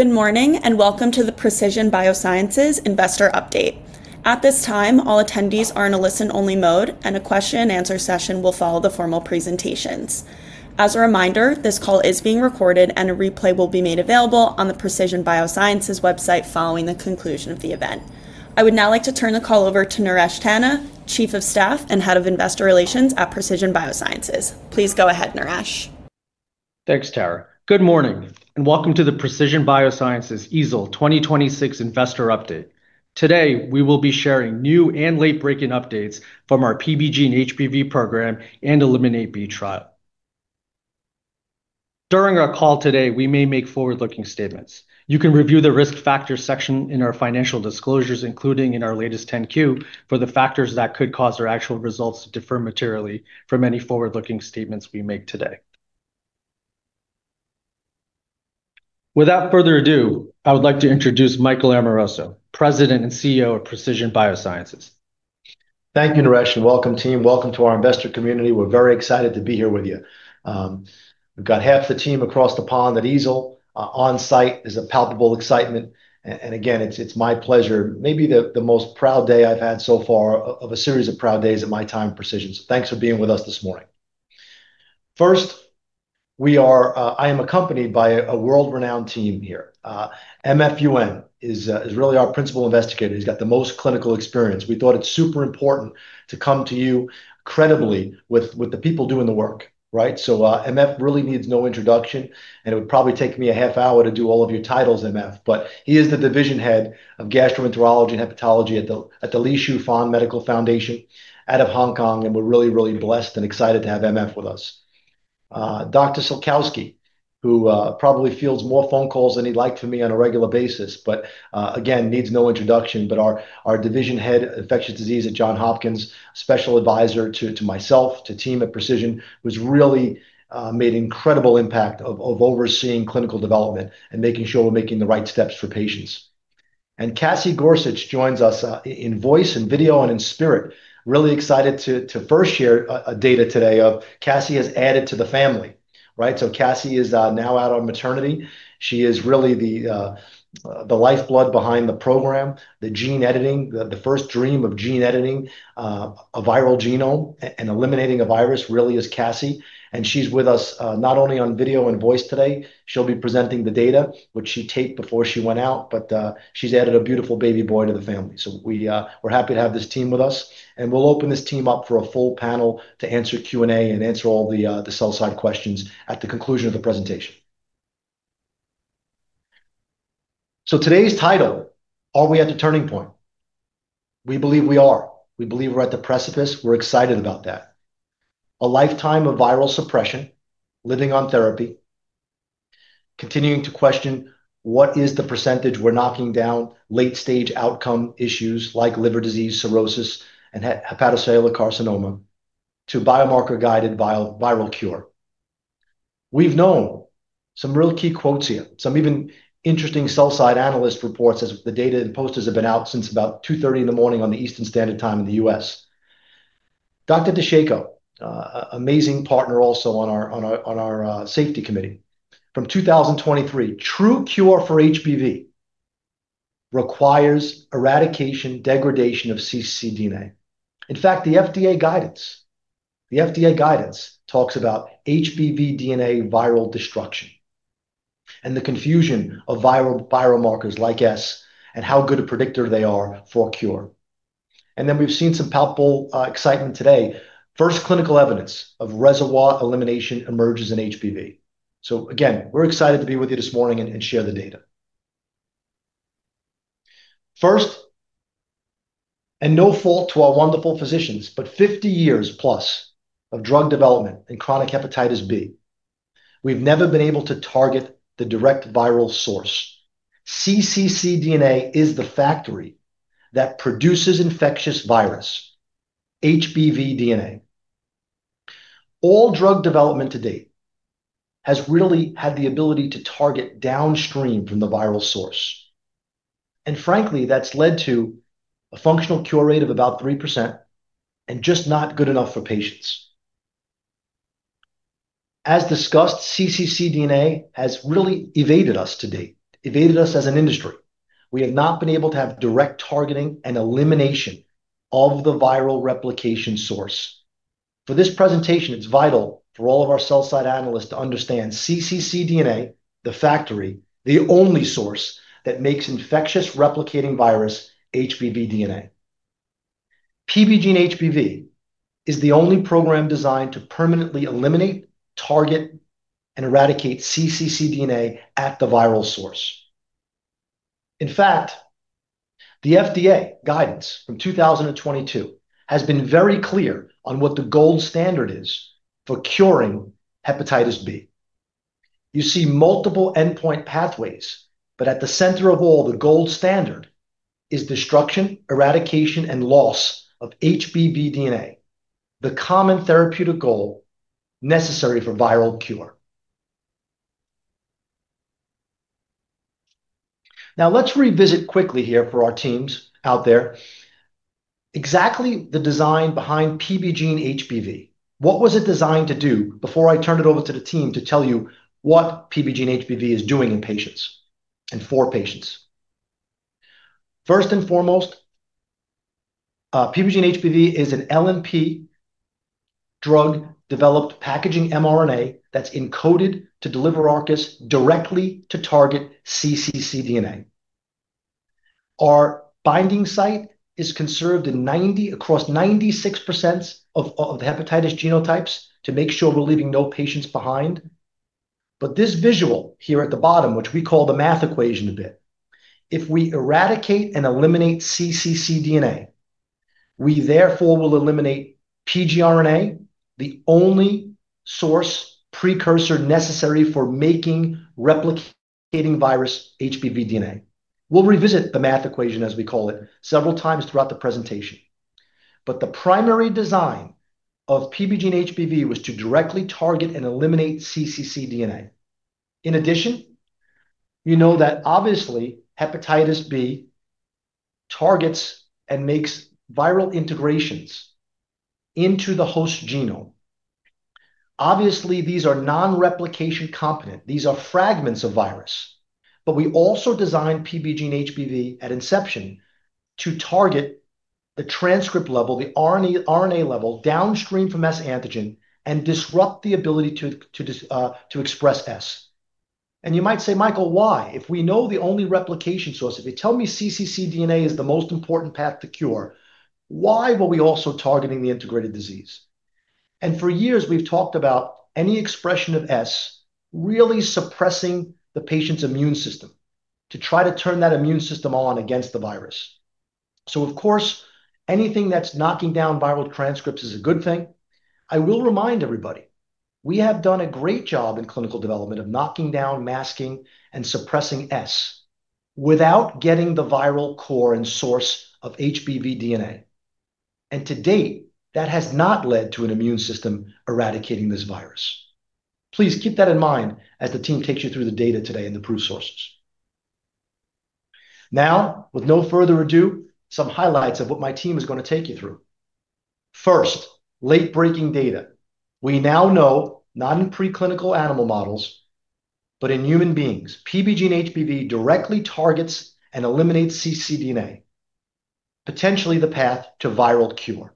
Good morning, welcome to the Precision BioSciences Investor Update. At this time, all attendees are in a listen-only mode, and a question and answer session will follow the formal presentations. As a reminder, this call is being recorded, and a replay will be made available on the Precision BioSciences website following the conclusion of the event. I would now like to turn the call over to Naresh Tanna, Chief of Staff and Head of Investor Relations at Precision BioSciences. Please go ahead, Naresh. Thanks, Tara. Good morning. Welcome to the Precision BioSciences EASL 2026 Investor Update. Today, we will be sharing new and late-breaking updates from our PBGENE-HBV program and ELIMINATE-B trial. During our call today, we may make forward-looking statements. You can review the Risk Factors section in our financial disclosures, including in our latest 10-Q, for the factors that could cause our actual results to differ materially from any forward-looking statements we make today. Without further ado, I would like to introduce Michael Amoroso, President and CEO of Precision BioSciences. Thank you, Naresh, and welcome team. Welcome to our investor community. We're very excited to be here with you. We've got half the team across the pond at EASL on-site. There's a palpable excitement. Again, it's my pleasure, maybe the most proud day I've had so far of a series of proud days at my time at Precision, so thanks for being with us this morning. First, I am accompanied by a world-renowned team here. MF Yuen is really our principal investigator. He's got the most clinical experience. We thought it's super important to come to you credibly with the people doing the work. Right? MF really needs no introduction, and it would probably take me a half hour to do all of your titles, MF. He is the Division Head of Gastroenterology and Hepatology at the Li Shu Fan Medical Foundation out of Hong Kong, and we're really blessed and excited to have MF with us. Dr. Sulkowski, who probably fields more phone calls than he'd like from me on a regular basis, but again, needs no introduction, but our Division Head of Infectious Disease at Johns Hopkins, Special Advisor to myself, to team at Precision, who's really made incredible impact of overseeing clinical development and making sure we're making the right steps for patients. Cassie Gorsuch joins us in voice and video and in spirit. Really excited to first share data today of Cassie has added to the family. Right. Cassie is now out on maternity. She is really the lifeblood behind the program, the gene editing, the first dream of gene editing a viral genome and eliminating a virus really is Cassie, and she's with us not only on video and voice today. She'll be presenting the data, which she taped before she went out, but she's added a beautiful baby boy to the family. We're happy to have this team with us, and we'll open this team up for a full panel to answer Q&A and answer all the sell-side questions at the conclusion of the presentation. Today's title, Are We at the Turning Point? We believe we are. We believe we're at the precipice. We're excited about that. A lifetime of viral suppression, living on therapy, continuing to question what is the percentage we're knocking down late-stage outcome issues like liver disease, cirrhosis, and hepatocellular carcinoma, to biomarker-guided viral cure. We've known some real key quotes here, some even interesting sell-side analyst reports as the data and posters have been out since about 2:30 in the morning on the Eastern Standard Time in the U.S. Dr. DiCicco, amazing partner also on our Safety Committee. From 2023, "True cure for HBV requires eradication, degradation of cccDNA." The FDA guidance talks about HBV DNA viral destruction and the confusion of viral biomarkers like S and how good a predictor they are for a cure. We've seen some palpable excitement today. First clinical evidence of reservoir elimination emerges in HBV. Again, we're excited to be with you this morning and share the data. First, and no fault to our wonderful physicians, but 50 years plus of drug development in chronic Hepatitis B, we've never been able to target the direct viral source. cccDNA is the factory that produces infectious virus, HBV DNA. All drug development to date has really had the ability to target downstream from the viral source. Frankly, that's led to a functional cure rate of about three percent and just not good enough for patients. As discussed, cccDNA has really evaded us to date, evaded us as an industry. We have not been able to have direct targeting and elimination of the viral replication source. For this presentation, it's vital for all of our sell-side analysts to understand cccDNA, the factory, the only source that makes infectious replicating virus HBV DNA. PBGENE-HBV is the only program designed to permanently eliminate, target, and eradicate cccDNA at the viral source. In fact, the FDA guidance from 2022 has been very clear on what the gold standard is for curing hepatitis B. You see multiple endpoint pathways, but at the center of all, the gold standard is destruction, eradication, and loss of HBV DNA, the common therapeutic goal necessary for viral cure. Now let's revisit quickly here for our teams out there. Exactly the design behind PBGENE-HBV. What was it designed to do? Before I turn it over to the team to tell you what PBGENE-HBV is doing in patients and for patients. First and foremost, PBGENE-HBV is an LNP drug-developed packaging mRNA that's encoded to deliver ARCUS directly to target cccDNA. Our binding site is conserved across 96% of hepatitis genotypes to make sure we're leaving no patients behind. This visual here at the bottom, which we call the math equation a bit, if we eradicate and eliminate cccDNA, we therefore will eliminate pgRNA, the only source precursor necessary for making replicating virus HBV DNA. We'll revisit the math equation, as we call it, several times throughout the presentation, but the primary design of PBGENE-HBV was to directly target and eliminate cccDNA. In addition, you know that obviously Hepatitis B targets and makes viral integrations into the host genome. Obviously, these are non-replication competent. These are fragments of virus. We also designed PBGENE-HBV at inception to target the transcript level, the RNA level downstream from S-antigen and disrupt the ability to express S. You might say, "Michael, why? If we know the only replication source, if you tell me cccDNA is the most important path to cure, why were we also targeting the integrated disease?" For years, we've talked about any expression of S really suppressing the patient's immune system to try to turn that immune system on against the virus. Of course, anything that's knocking down viral transcripts is a good thing. I will remind everybody, we have done a great job in clinical development of knocking down, masking, and suppressing S without getting the viral core and source of HBV DNA. To date, that has not led to an immune system eradicating this virus. Please keep that in mind as the team takes you through the data today and the proof sources. With no further ado, some highlights of what my team is going to take you through. First, late-breaking data. We now know not in pre-clinical animal models, but in human beings. PBGENE-HBV directly targets and eliminates cccDNA, potentially the path to viral cure.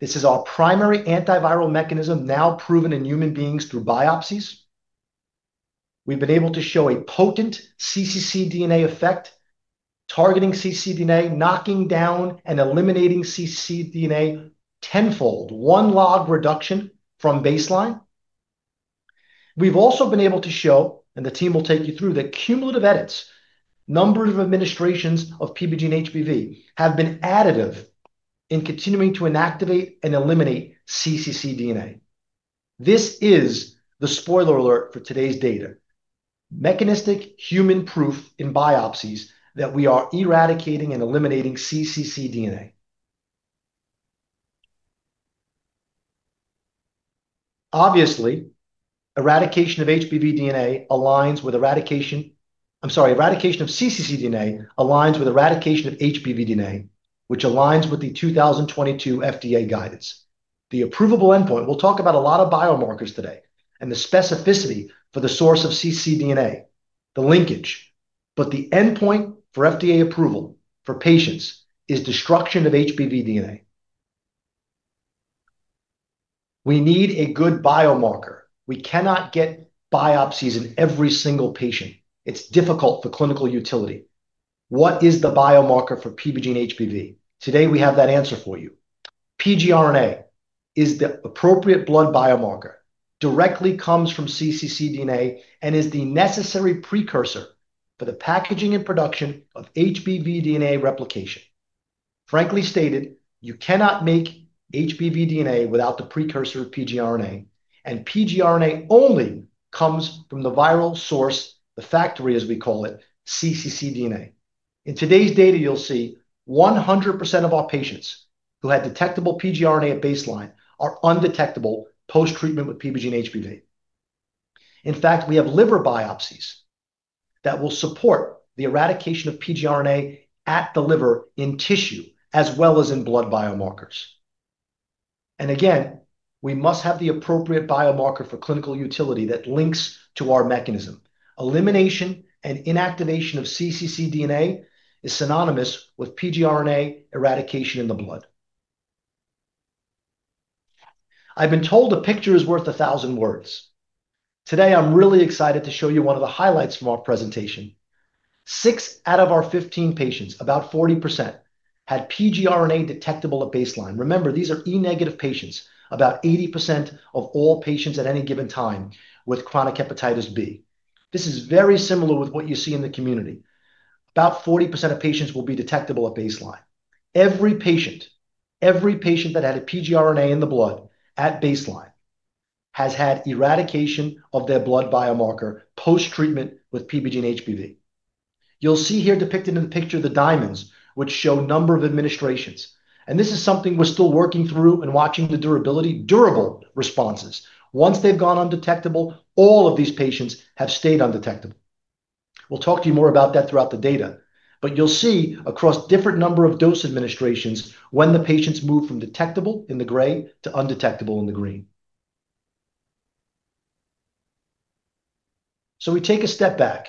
This is our primary antiviral mechanism, now proven in human beings through biopsies. We've been able to show a potent cccDNA effect, targeting cccDNA, knocking down and eliminating cccDNA 10-fold. One log reduction from baseline. We've also been able to show, the team will take you through, the cumulative edits. Number of administrations of PBGENE-HBV have been additive in continuing to inactivate and eliminate cccDNA. This is the spoiler alert for today's data. Mechanistic human proof in biopsies that we are eradicating and eliminating cccDNA. Obviously, eradication of HBV DNA aligns with eradication of cccDNA aligns with eradication of HBV DNA, which aligns with the 2022 FDA guidance. The approvable endpoint, we'll talk about a lot of biomarkers today and the specificity for the source of cccDNA, the linkage, the endpoint for FDA approval for patients is destruction of HBV DNA. We need a good biomarker. We cannot get biopsies in every single patient. It's difficult for clinical utility. What is the biomarker for PBGENE-HBV? Today, we have that answer for you. pgRNA is the appropriate blood biomarker, directly comes from cccDNA, and is the necessary precursor for the packaging and production of HBV DNA replication. Frankly stated, you cannot make HBV DNA without the precursor of pgRNA, and pgRNA only comes from the viral source, the factory as we call it, cccDNA. In today's data, you'll see 100% of our patients who had detectable pgRNA at baseline are undetectable post-treatment with PBGENE-HBV. In fact, we have liver biopsies that will support the eradication of pgRNA at the liver in tissue, as well as in blood biomarkers. Again, we must have the appropriate biomarker for clinical utility that links to our mechanism. Elimination and inactivation of cccDNA is synonymous with pgRNA eradication in the blood. I've been told a picture is worth a thousand words. Today, I'm really excited to show you one of the highlights from our presentation. Six out of our 15 patients, about 40%, had pgRNA detectable at baseline. Remember, these are E-negative patients, about 80% of all patients at any given time with chronic Hepatitis B. This is very similar with what you see in the community. About 40% of patients will be detectable at baseline. Every patient that had a pgRNA in the blood at baseline has had eradication of their blood biomarker post-treatment with PBGENE-HBV. You'll see here depicted in the picture the diamonds, which show number of administrations, and this is something we're still working through and watching the durability, durable responses. Once they've gone undetectable, all of these patients have stayed undetectable. We'll talk to you more about that throughout the data. You'll see across different number of dose administrations when the patients move from detectable in the gray to undetectable in the green. We take a step back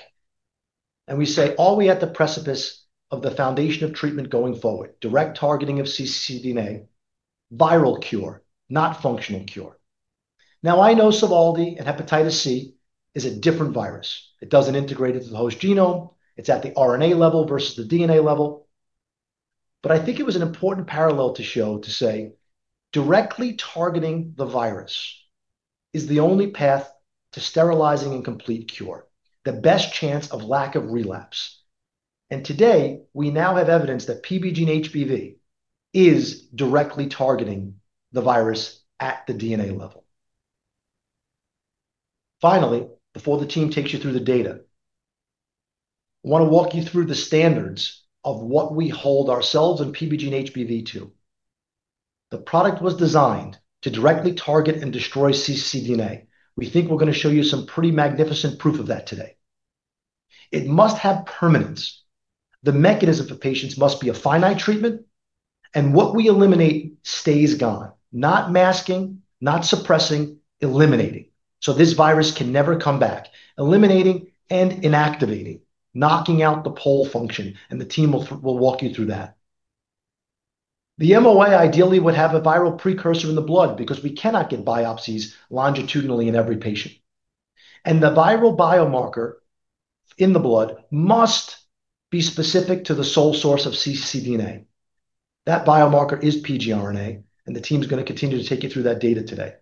and we say, are we at the precipice of the foundation of treatment going forward? Direct targeting of cccDNA, viral cure, not functional cure. I know Sovaldi and hepatitis C is a different virus. It doesn't integrate into the host genome. It's at the RNA level versus the DNA level. I think it was an important parallel to show to say directly targeting the virus is the only path to sterilizing and complete cure, the best chance of lack of relapse. Today, we now have evidence that PBGENE-HBV is directly targeting the virus at the DNA level. Finally, before the team takes you through the data, I want to walk you through the standards of what we hold ourselves and PBGENE-HBV to. The product was designed to directly target and destroy cccDNA. We think we're going to show you some pretty magnificent proof of that today. It must have permanence. The mechanism for patients must be a finite treatment, and what we eliminate stays gone. Not masking, not suppressing, eliminating. This virus can never come back. Eliminating and inactivating, knocking out the POL function, and the team will walk you through that. The MOA ideally would have a viral precursor in the blood because we cannot get biopsies longitudinally in every patient. The viral biomarker in the blood must be specific to the sole source of cccDNA. That biomarker is pgRNA, and the team's going to continue to take you through that data today.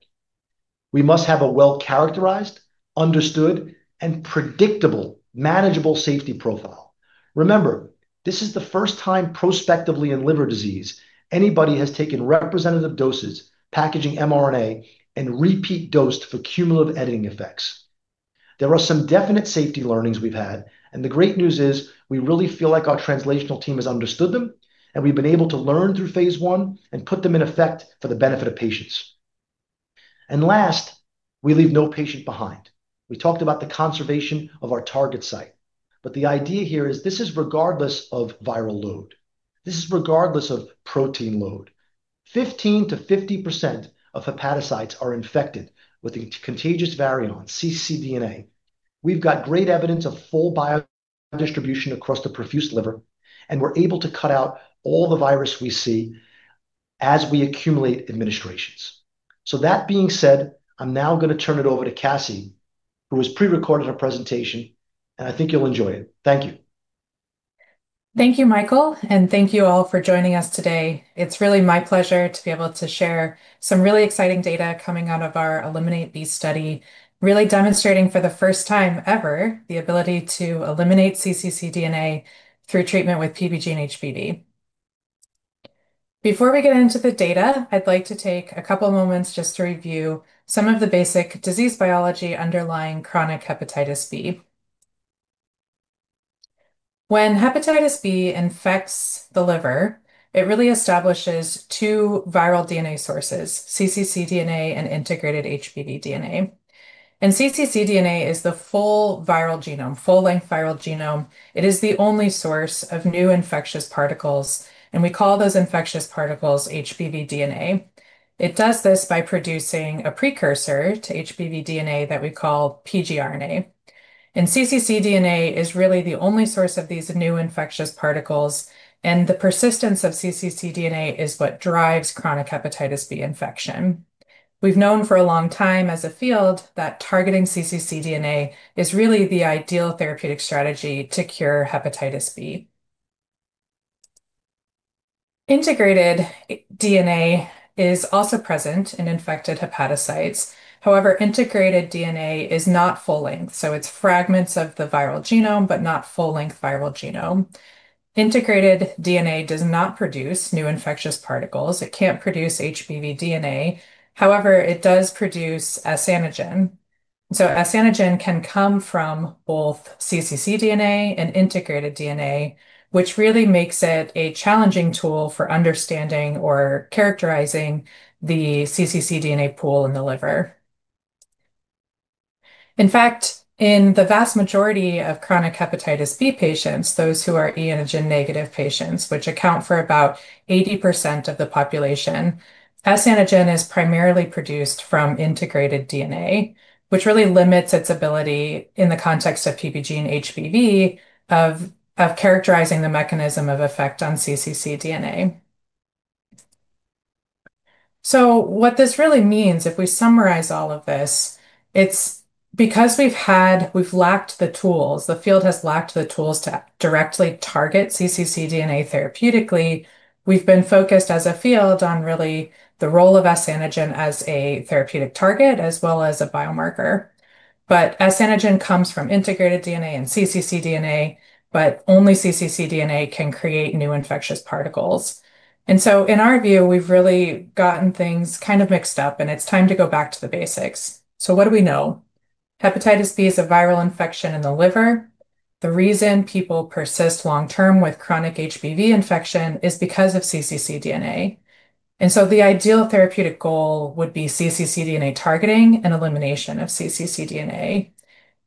We must have a well-characterized, understood, and predictable, manageable safety profile. Remember, this is the first time prospectively in liver disease anybody has taken representative doses, packaging mRNA, and repeat dosed for cumulative editing effects. The great news is we really feel like our translational team has understood them, and we've been able to learn through phase I and put them in effect for the benefit of patients. Last, we leave no patient behind. We talked about the conservation of our target site. The idea here is this is regardless of viral load. This is regardless of protein load. 15%-50% of hepatocytes are infected with a contagious variant, cccDNA. We've got great evidence of full biodistribution across the perfused liver, and we're able to cut out all the virus we see as we accumulate administrations. That being said, I'm now going to turn it over to Cassie, who has pre-recorded her presentation, and I think you'll enjoy it. Thank you. Thank you, Michael, thank you all for joining us today. It's really my pleasure to be able to share some really exciting data coming out of our ELIMINATE-B study, really demonstrating for the first time ever the ability to eliminate cccDNA through treatment with PBGENE-HBV. Before we get into the data, I'd like to take a couple moments just to review some of the basic disease biology underlying chronic hepatitis B. When hepatitis B infects the liver, it really establishes two viral DNA sources, cccDNA and integrated HBV DNA. cccDNA is the full viral genome, full-length viral genome. It is the only source of new infectious particles, and we call those infectious particles HBV DNA. It does this by producing a precursor to HBV DNA that we call pgRNA. CccDNA is really the only source of these new infectious particles, and the persistence of cccDNA is what drives chronic hepatitis B infection. We've known for a long time as a field that targeting cccDNA is really the ideal therapeutic strategy to cure hepatitis B. Integrated DNA is also present in infected hepatocytes. Integrated DNA is not full length, so it's fragments of the viral genome, but not full-length viral genome. Integrated DNA does not produce new infectious particles. It can't produce HBV DNA. It does produce S antigen. S antigen can come from both cccDNA and integrated DNA, which really makes it a challenging tool for understanding or characterizing the cccDNA pool in the liver. In fact, in the vast majority of chronic hepatitis B patients, those who are e antigen negative patients, which account for about 80% of the population, S-antigen is primarily produced from integrated DNA, which really limits its ability in the context of PBGENE-HBV of characterizing the mechanism of effect on cccDNA. What this really means, if we summarize all of this, it is because we have lacked the tools, the field has lacked the tools to directly target cccDNA therapeutically. We have been focused as a field on really the role of S-antigen as a therapeutic target as well as a biomarker. S-antigen comes from integrated DNA and cccDNA, but only cccDNA can create new infectious particles. In our view, we have really gotten things kind of mixed up, and it is time to go back to the basics. What do we know? Hepatitis B is a viral infection in the liver. The reason people persist long-term with chronic HBV infection is because of cccDNA. The ideal therapeutic goal would be cccDNA targeting and elimination of cccDNA.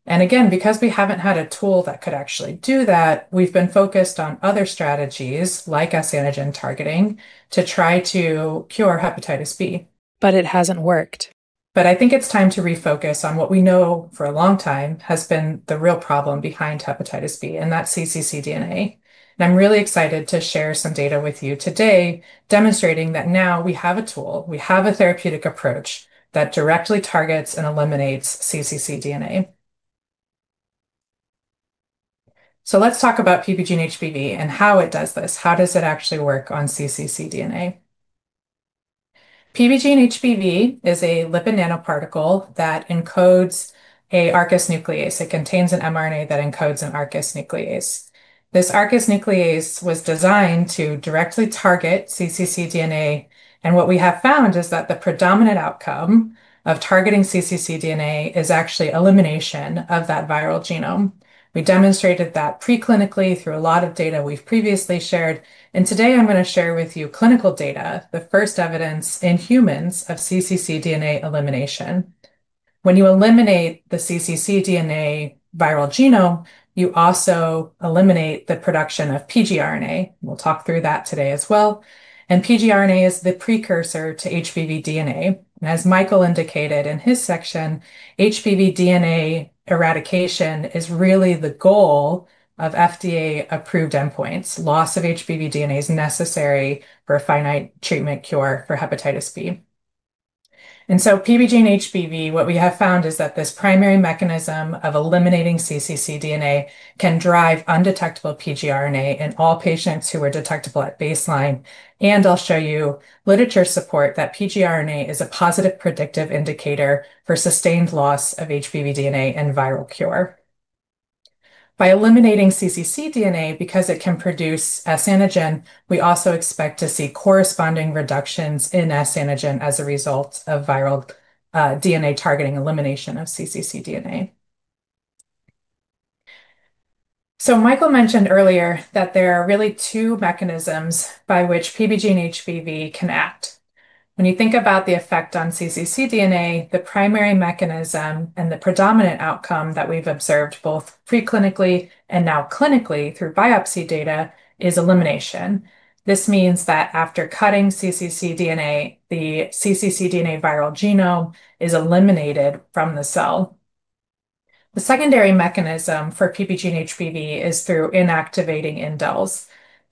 Again, because we haven't had a tool that could actually do that, we've been focused on other strategies like S-antigen targeting to try to cure Hepatitis B. It hasn't worked. I think it's time to refocus on what we know for a long time has been the real problem behind Hepatitis B, and that's cccDNA. I'm really excited to share some data with you today demonstrating that now we have a tool, we have a therapeutic approach that directly targets and eliminates cccDNA. Let's talk about PBGENE-HBV and how it does this. How does it actually work on cccDNA? PBGENE-HBV is a lipid nanoparticle that encodes an ARCUS nuclease. It contains an mRNA that encodes an ARCUS nuclease. This ARCUS nuclease was designed to directly target cccDNA. What we have found is that the predominant outcome of targeting cccDNA is actually elimination of that viral genome. We demonstrated that preclinically through a lot of data we've previously shared. Today I'm going to share with you clinical data, the first evidence in humans of cccDNA elimination. When you eliminate the cccDNA viral genome, you also eliminate the production of pgRNA. We'll talk through that today as well. PgRNA is the precursor to HBV DNA. As Michael indicated in his section, HBV DNA eradication is really the goal of FDA-approved endpoints. Loss of HBV DNA is necessary for a finite treatment cure for Hepatitis B. PBGENE-HBV, what we have found is that this primary mechanism of eliminating cccDNA can drive undetectable pgRNA in all patients who are detectable at baseline. I'll show you literature support that pgRNA is a positive predictive indicator for sustained loss of HBV DNA and viral cure. By eliminating cccDNA, because it can produce S-antigen, we also expect to see corresponding reductions in S-antigen as a result of viral DNA targeting elimination of cccDNA. Michael mentioned earlier that there are really two mechanisms by which PBGENE-HBV can act. When you think about the effect on cccDNA, the primary mechanism and the predominant outcome that we've observed both preclinically and now clinically through biopsy data is elimination. This means that after cutting cccDNA, the cccDNA viral genome is eliminated from the cell. The secondary mechanism for PBGENE-HBV is through inactivating indels.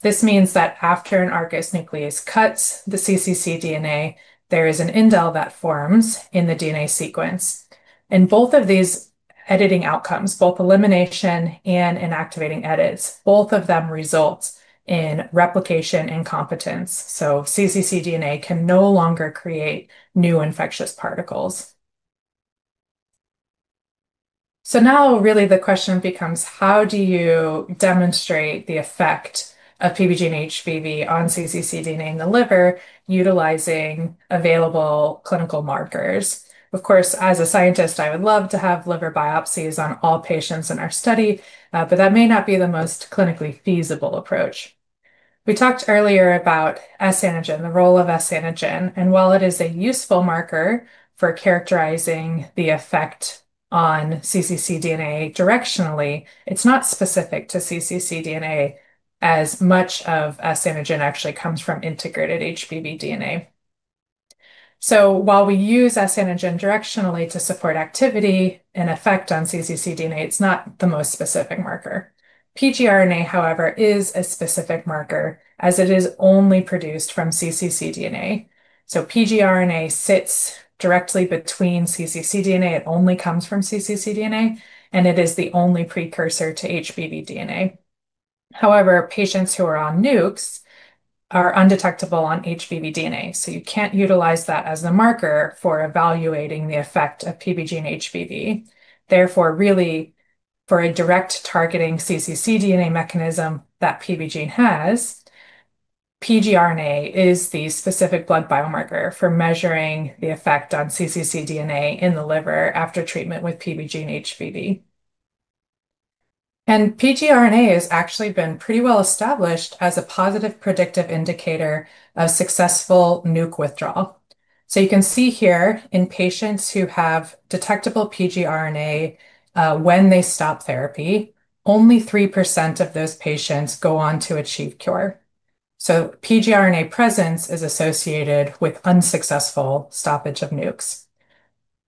This means that after an ARCUS nuclease cuts the cccDNA, there is an indel that forms in the DNA sequence. In both of these editing outcomes, both elimination and inactivating edits, both of them results in replication incompetence. cccDNA can no longer create new infectious particles. Now really the question becomes how do you demonstrate the effect of PBGENE-HBV on cccDNA in the liver utilizing available clinical markers? Of course, as a scientist, I would love to have liver biopsies on all patients in our study, but that may not be the most clinically feasible approach. We talked earlier about S-antigen, the role of S-antigen, and while it is a useful marker for characterizing the effect on cccDNA directionally, it's not specific to cccDNA, as much of S-antigen actually comes from integrated HBV DNA. While we use S-antigen directionally to support activity and effect on cccDNA, it's not the most specific marker. pgRNA, however, is a specific marker as it is only produced from cccDNA. pgRNA sits directly between cccDNA. It only comes from cccDNA, and it is the only precursor to HBV DNA. However, patients who are on NUCs are undetectable on HBV DNA. You can't utilize that as a marker for evaluating the effect of PBGENE-HBV. Therefore, really for a direct targeting cccDNA mechanism that PBGENE-HBV has, pgRNA is the specific blood biomarker for measuring the effect on cccDNA in the liver after treatment with PBGENE-HBV. pgRNA has actually been pretty well established as a positive predictive indicator of successful NUC withdrawal. You can see here in patients who have detectable pgRNA when they stop therapy, only three percent of those patients go on to achieve cure. pgRNA presence is associated with unsuccessful stoppage of NUCs.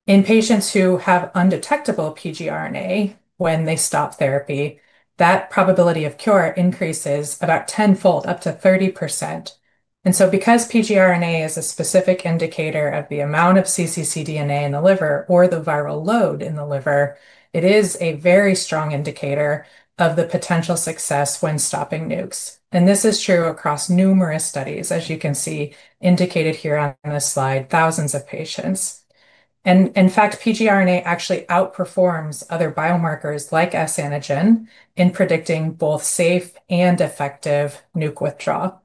In patients who have undetectable pgRNA when they stop therapy, that probability of cure increases about tenfold, up to 30%. Because pgRNA is a specific indicator of the amount of cccDNA in the liver or the viral load in the liver, it is a very strong indicator of the potential success when stopping NUCs. This is true across numerous studies, as you can see indicated here on this slide, thousands of patients. In fact, pgRNA actually outperforms other biomarkers like S-antigen in predicting both safe and effective NUC withdrawal.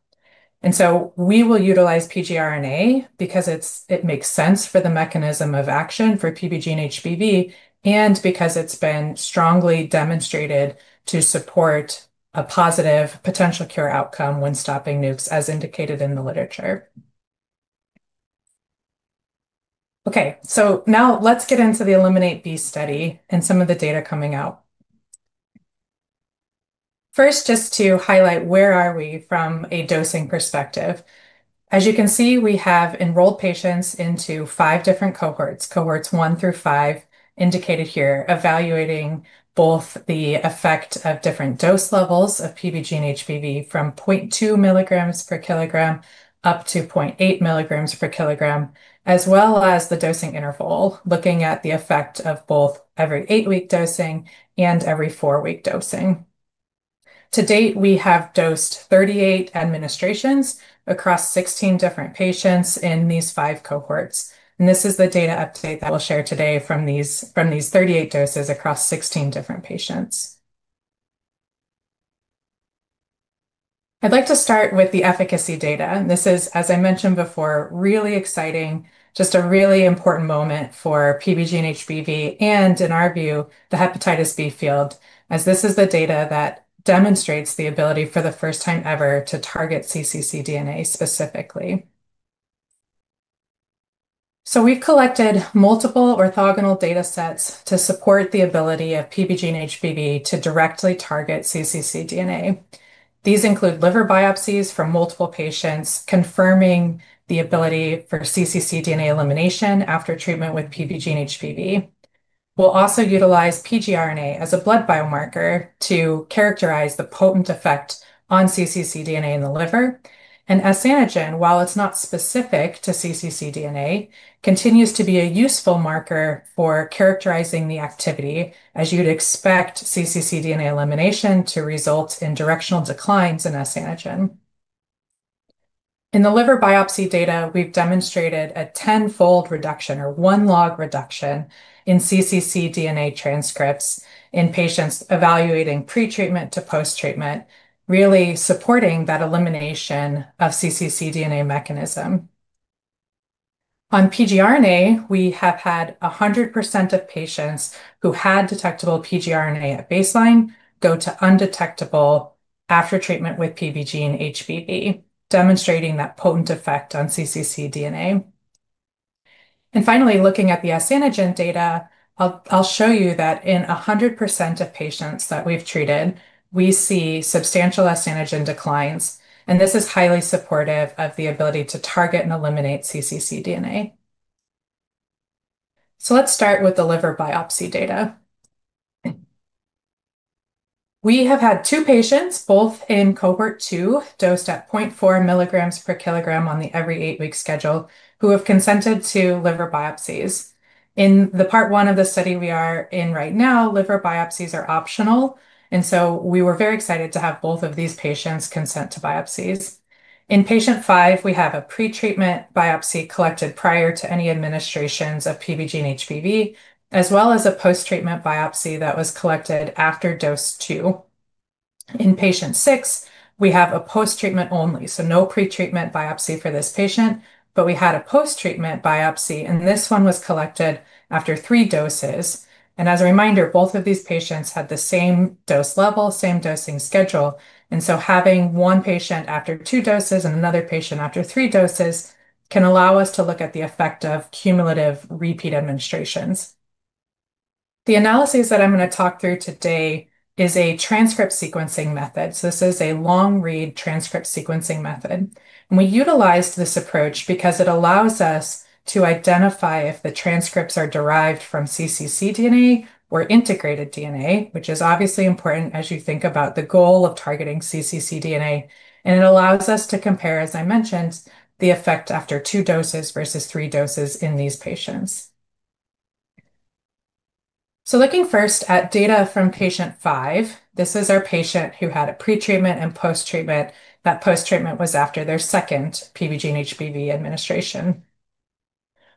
We will utilize pgRNA because it makes sense for the mechanism of action for PBGENE-HBV and because it's been strongly demonstrated to support a positive potential cure outcome when stopping NUCs, as indicated in the literature. Now let's get into the ELIMINATE-B study and some of the data coming out. First, just to highlight where are we from a dosing perspective. As you can see, we have enrolled patients into five different cohorts one through five indicated here, evaluating both the effect of different dose levels of PBGENE-HBV from zero point two milligrams per kilogram up to zero point eight milligrams per kilogram, as well as the dosing interval, looking at the effect of both every eight-week dosing and every four-week dosing. To date, we have dosed 38 administrations across 16 different patients in these five cohorts. This is the data update that we'll share today from these 38 doses across 16 different patients. I'd like to start with the efficacy data. This is, as I mentioned before, really exciting, just a really important moment for PBGENE-HBV, and in our view, the Hepatitis B field, as this is the data that demonstrates the ability for the first time ever to target cccDNA specifically. We've collected multiple orthogonal data sets to support the ability of PBGENE-HBV to directly target cccDNA. These include liver biopsies from multiple patients, confirming the ability for cccDNA elimination after treatment with PBGENE-HBV. We'll also utilize pgRNA as a blood biomarker to characterize the potent effect on cccDNA in the liver. S-antigen, while it's not specific to cccDNA, continues to be a useful marker for characterizing the activity, as you'd expect cccDNA elimination to result in directional declines in S-antigen. In the liver biopsy data, we've demonstrated a 10-fold reduction or one log reduction in cccDNA transcripts in patients evaluating pretreatment to post-treatment, really supporting that elimination of cccDNA mechanism. On pgRNA, we have had 100% of patients who had detectable pgRNA at baseline go to undetectable after treatment with PBGENE-HBV, demonstrating that potent effect on cccDNA. Finally, looking at the S-antigen data, I'll show you that in 100% of patients that we've treated, we see substantial S-antigen declines, and this is highly supportive of the ability to target and eliminate cccDNA. Let's start with the liver biopsy data. We have had two patients, both in cohort two, dosed at zero point four milligrams per kilogram on the every-eight-week schedule, who have consented to liver biopsies. In the part one of the study we are in right now, liver biopsies are optional, and so we were very excited to have both of these patients consent to biopsies. In patient five, we have a pretreatment biopsy collected prior to any administrations of PBGENE-HBV, as well as a post-treatment biopsy that was collected after dose two. In patient six, we have a post-treatment only, so no pretreatment biopsy for this patient, but we had a post-treatment biopsy, and this one was collected after three doses. As a reminder, both of these patients had the same dose level, same dosing schedule, having one patient after two doses and another patient after three doses can allow us to look at the effect of cumulative repeat administrations. The analysis that I'm going to talk through today is a transcript sequencing method. This is a long-read transcript sequencing method. We utilized this approach because it allows us to identify if the transcripts are derived from cccDNA or integrated DNA, which is obviously important as you think about the goal of targeting cccDNA. It allows us to compare, as I mentioned, the effect after two doses versus three doses in these patients. Looking first at data from patient five, this is our patient who had a pretreatment and post-treatment. That post-treatment was after their second PBGENE-HBV administration.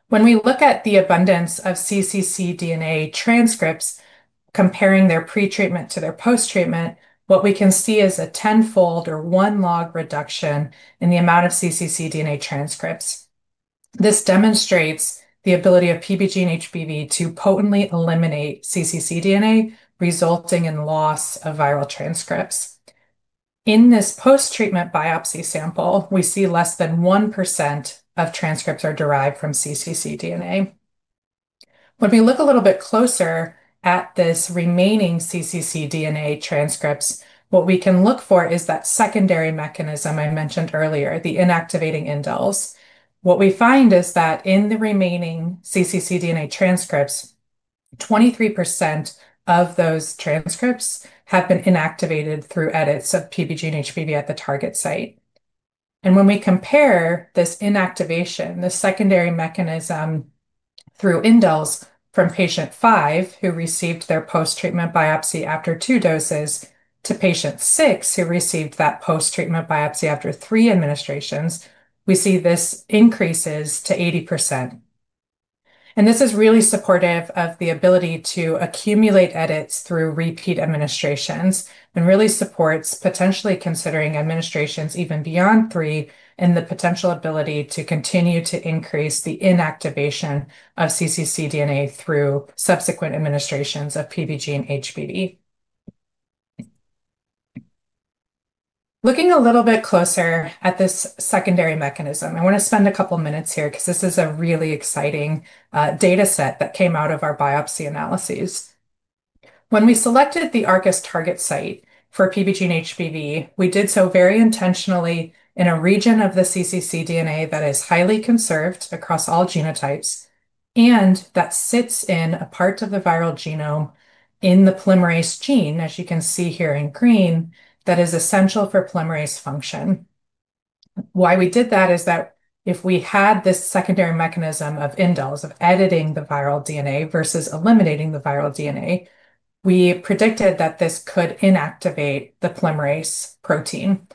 When we look at the abundance of cccDNA transcripts, comparing their pretreatment to their post-treatment, what we can see is a 10-fold or one log reduction in the amount of cccDNA transcripts. This demonstrates the ability of PBGENE-HBV to potently eliminate cccDNA, resulting in loss of viral transcripts. In this post-treatment biopsy sample, we see less than one percent of transcripts are derived from cccDNA. When we look a little bit closer at this remaining cccDNA transcripts, what we can look for is that secondary mechanism I mentioned earlier, the inactivating indels. What we find is that in the remaining cccDNA transcripts, 23% of those transcripts have been inactivated through edits of PBGENE-HBV at the target site. When we compare this inactivation, this secondary mechanism through indels from patient five, who received their post-treatment biopsy after two doses, to patient six, who received that post-treatment biopsy after three administrations, we see this increases to 80%. This is really supportive of the ability to accumulate edits through repeat administrations and really supports potentially considering administrations even beyond three and the potential ability to continue to increase the inactivation of cccDNA through subsequent administrations of PBGENE-HBV. Looking a little bit closer at this secondary mechanism, I want to spend a couple of minutes here because this is a really exciting data set that came out of our biopsy analyses. When we selected the ARCUS target site for PBGENE-HBV, we did so very intentionally in a region of the cccDNA that is highly conserved across all genotypes, and that sits in a part of the viral genome in the polymerase gene, as you can see here in green, that is essential for polymerase function. Why we did that is that if we had this secondary mechanism of indels, of editing the viral DNA versus eliminating the viral DNA, we predicted that this could inactivate the polymerase protein.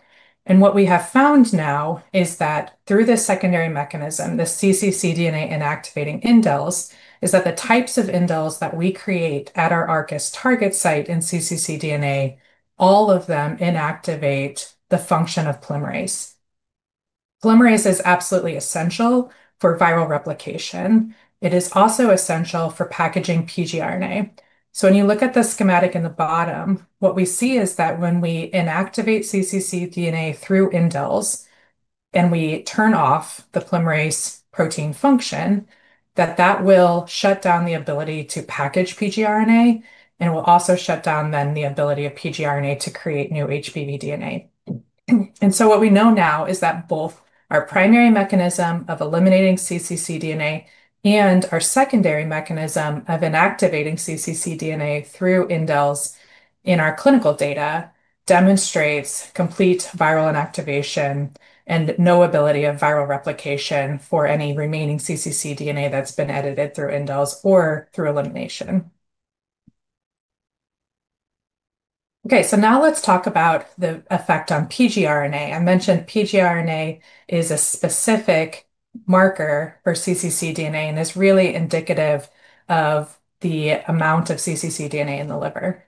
What we have found now is that through this secondary mechanism, the cccDNA-inactivating indels, is that the types of indels that we create at our ARCUS target site in cccDNA, all of them inactivate the function of polymerase. Polymerase is absolutely essential for viral replication. It is also essential for packaging pgRNA. When you look at the schematic in the bottom, what we see is that when we inactivate cccDNA through indels and we turn off the polymerase protein function, that that will shut down the ability to package pgRNA, and will also shut down then the ability of pgRNA to create new HBV DNA. What we know now is that both our primary mechanism of eliminating cccDNA and our secondary mechanism of inactivating cccDNA through indels in our clinical data demonstrates complete viral inactivation and no ability of viral replication for any remaining cccDNA that's been edited through indels or through elimination. Now let's talk about the effect on pgRNA. I mentioned pgRNA is a specific marker for cccDNA, and is really indicative of the amount of cccDNA in the liver.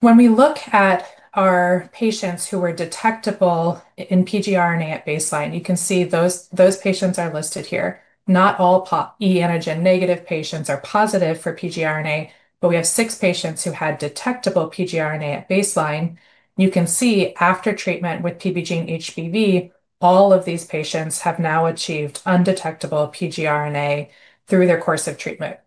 When we look at our patients who were detectable in pgRNA at baseline, you can see those patients are listed here. Not all e-antigen negative patients are positive for pgRNA. We have six patients who had detectable pgRNA at baseline. You can see after treatment with PBGENE-HBV, all of these patients have now achieved undetectable pgRNA through their course of treatment.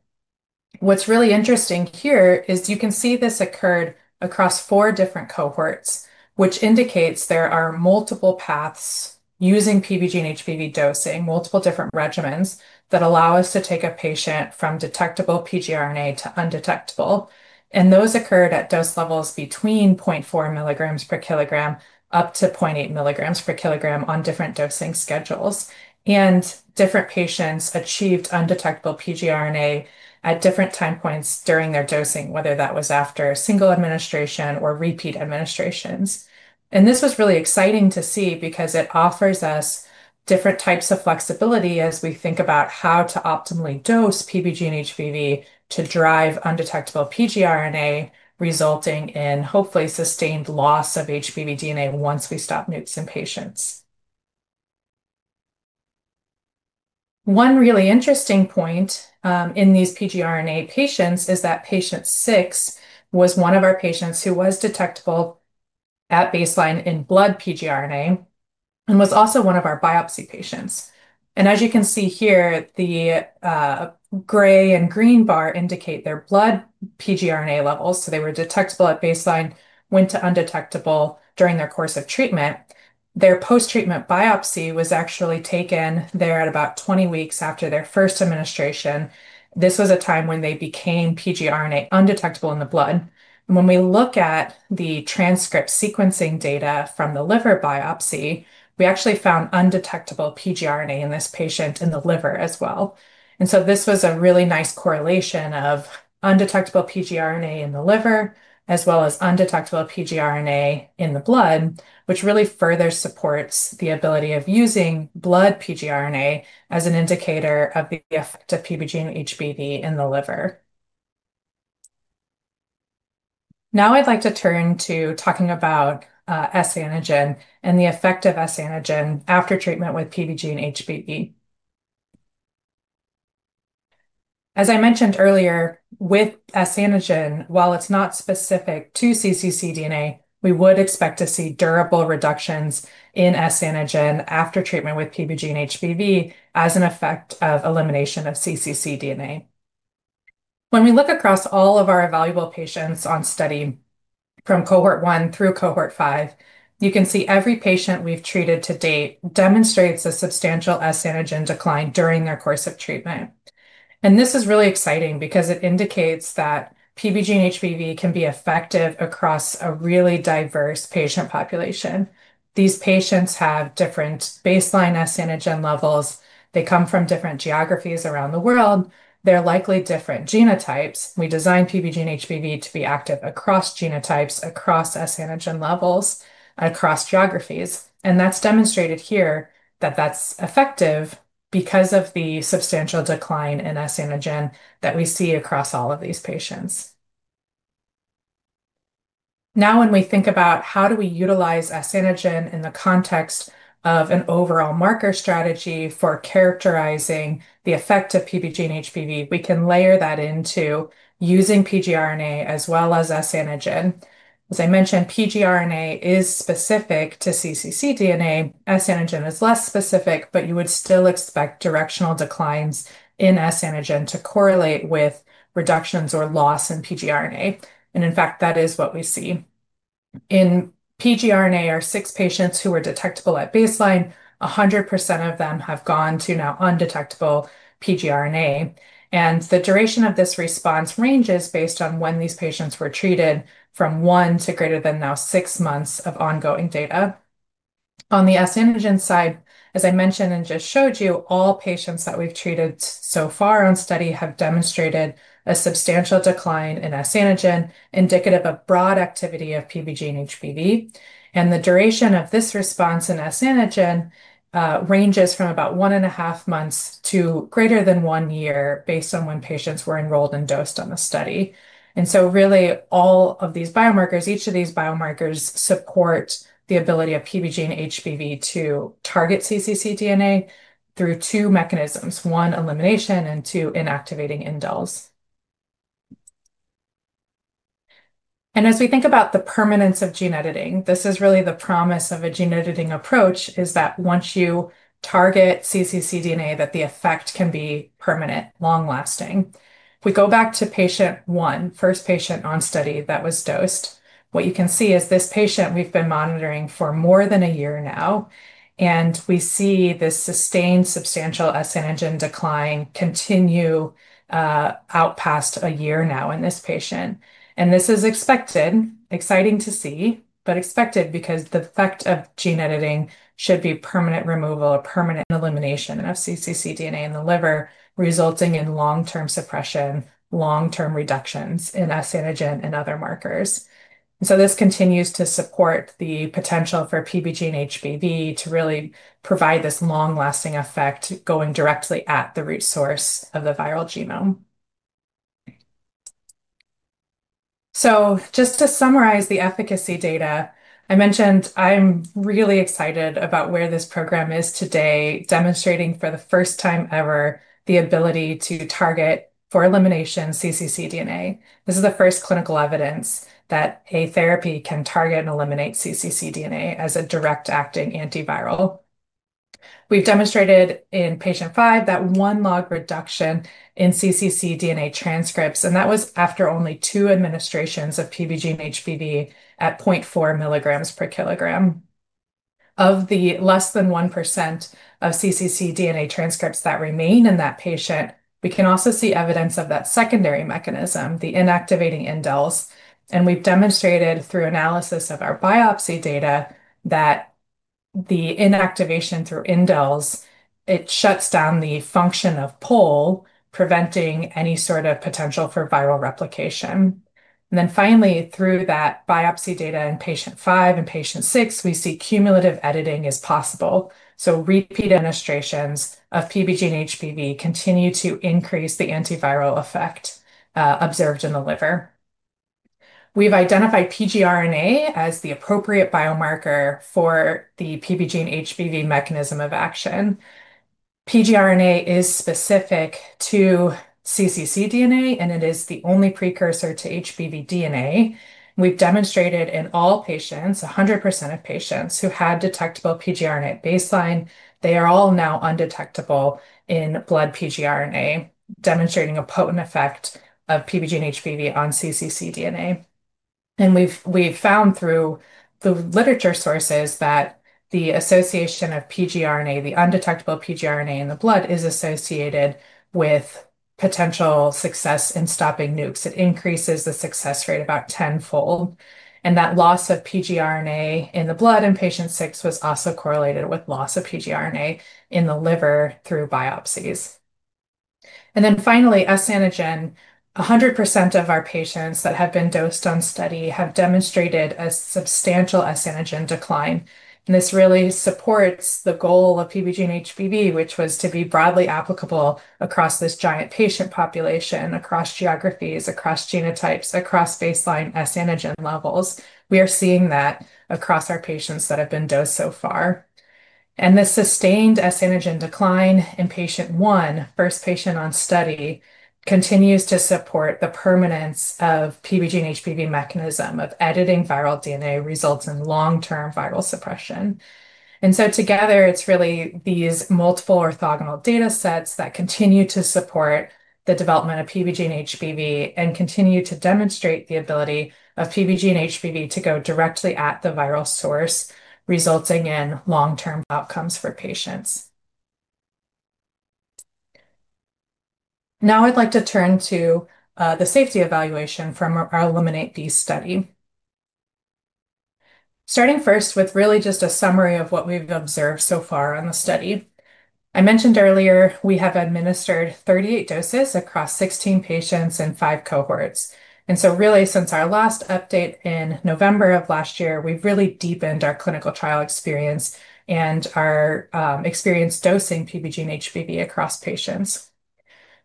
What's really interesting here is you can see this occurred across four different cohorts, which indicates there are multiple paths using PBGENE-HBV dosing, multiple different regimens, that allow us to take a patient from detectable pgRNA to undetectable. Those occurred at dose levels between zero point four milligrams per kilogram up to zero point eight milligrams per kilogram on different dosing schedules. Different patients achieved undetectable pgRNA at different time points during their dosing, whether that was after a single administration or repeat administrations. This was really exciting to see because it offers us different types of flexibility as we think about how to optimally dose PBGENE-HBV to drive undetectable pgRNA, resulting in hopefully sustained loss of HBV DNA once we stop NUCs in patients. One really interesting point in these pgRNA patients is that patient six was one of our patients who was detectable at baseline in blood pgRNA and was also one of our biopsy patients. As you can see here, the gray and green bar indicate their blood pgRNA levels. They were detectable at baseline, went to undetectable during their course of treatment. Their post-treatment biopsy was actually taken there at about 20 weeks after their first administration. This was a time when they became pgRNA undetectable in the blood. When we look at the transcript sequencing data from the liver biopsy, we actually found undetectable pgRNA in this patient in the liver as well. This was a really nice correlation of undetectable pgRNA in the liver, as well as undetectable pgRNA in the blood, which really further supports the ability of using blood pgRNA as an indicator of the effect of PBGENE-HBV in the liver. Now I'd like to turn to talking about S-antigen and the effect of S-antigen after treatment with PBGENE-HBV. As I mentioned earlier, with S-antigen, while it's not specific to cccDNA, we would expect to see durable reductions in S-antigen after treatment with PBGENE-HBV as an effect of elimination of cccDNA. When we look across all of our evaluable patients on study from cohort one through cohort five, you can see every patient we've treated to date demonstrates a substantial S-antigen decline during their course of treatment. This is really exciting because it indicates that PBGENE-HBV can be effective across a really diverse patient population. These patients have different baseline S-antigen levels. They come from different geographies around the world. They're likely different genotypes. We designed PBGENE-HBV to be active across genotypes, across S-antigen levels, across geographies, and that's demonstrated here that that's effective because of the substantial decline in S-antigen that we see across all of these patients. When we think about how do we utilize S-antigen in the context of an overall marker strategy for characterizing the effect of PBGENE-HBV, we can layer that into using pgRNA as well as S-antigen. As I mentioned, pgRNA is specific to cccDNA. S-antigen is less specific, but you would still expect directional declines in S-antigen to correlate with reductions or loss in pgRNA. In fact, that is what we see. In pgRNA, our six patients who were detectable at baseline, 100% of them have gone to now undetectable pgRNA. The duration of this response ranges based on when these patients were treated, from one to greater than now six months of ongoing data. On the S-antigen side, as I mentioned and just showed you, all patients that we've treated so far on study have demonstrated a substantial decline in S-antigen, indicative of broad activity of PBGENE-HBV. The duration of this response in S-antigen ranges from about one and a half months to greater than one year based on when patients were enrolled and dosed on the study. Really all of these biomarkers, each of these biomarkers support the ability of PBGENE-HBV to target cccDNA through two mechanisms. One, elimination, and two, inactivating indels. As we think about the permanence of gene editing, this is really the promise of a gene editing approach, is that once you target cccDNA, that the effect can be permanent, long-lasting. If we go back to patient one, first patient on study that was dosed, what you can see is this patient we've been monitoring for more than one year now, and we see this sustained substantial S-antigen decline continue out past one year now in this patient. This is expected, exciting to see, but expected because the effect of gene editing should be permanent removal or permanent elimination of cccDNA in the liver, resulting in long-term suppression, long-term reductions in S-antigen and other markers. This continues to support the potential for PBGENE-HBV to really provide this long-lasting effect going directly at the root source of the viral genome. Just to summarize the efficacy data, I mentioned I'm really excited about where this program is today, demonstrating for the first time ever the ability to target for elimination cccDNA. This is the first clinical evidence that a therapy can target and eliminate cccDNA as a direct-acting antiviral. We've demonstrated in patient five that one log reduction in cccDNA transcripts, and that was after only two administrations of PBGENE-HBV at zero point four milligrams per kilogram. Of the less than one percent of cccDNA transcripts that remain in that patient, we can also see evidence of that secondary mechanism, the inactivating indels. We've demonstrated through analysis of our biopsy data that the inactivation through indels, it shuts down the function of POL, preventing any sort of potential for viral replication. Finally, through that biopsy data in patient five and patient six, we see cumulative editing is possible. Repeat administrations of PBGENE-HBV continue to increase the antiviral effect observed in the liver. We've identified pgRNA as the appropriate biomarker for the PBGENE-HBV mechanism of action. pgRNA is specific to cccDNA, and it is the only precursor to HBV DNA. We've demonstrated in all patients, 100% of patients who had detectable pgRNA at baseline, they are all now undetectable in blood pgRNA, demonstrating a potent effect of PBGENE-HBV on cccDNA. We've found through the literature sources that the association of pgRNA, the undetectable pgRNA in the blood is associated with potential success in stopping NUCs. It increases the success rate about tenfold. That loss of pgRNA in the blood in patient six was also correlated with loss of pgRNA in the liver through biopsies. Finally, S-antigen. 100% of our patients that have been dosed on study have demonstrated a substantial S-antigen decline. This really supports the goal of PBGENE-HBV, which was to be broadly applicable across this giant patient population, across geographies, across genotypes, across baseline S-antigen levels. We are seeing that across our patients that have been dosed so far. The sustained S-antigen decline in patient one, first patient on study, continues to support the permanence of PBGENE-HBV mechanism of editing viral DNA results in long-term viral suppression. Together, it's really these multiple orthogonal data sets that continue to support the development of PBGENE-HBV and continue to demonstrate the ability of PBGENE-HBV to go directly at the viral source, resulting in long-term outcomes for patients. Now I'd like to turn to the safety evaluation from our ELIMINATE-B study. Starting first with really just a summary of what we've observed so far on the study. I mentioned earlier we have administered 38 doses across 16 patients in five cohorts. Really since our last update in November of last year, we've really deepened our clinical trial experience and our experience dosing PBGENE-HBV across patients.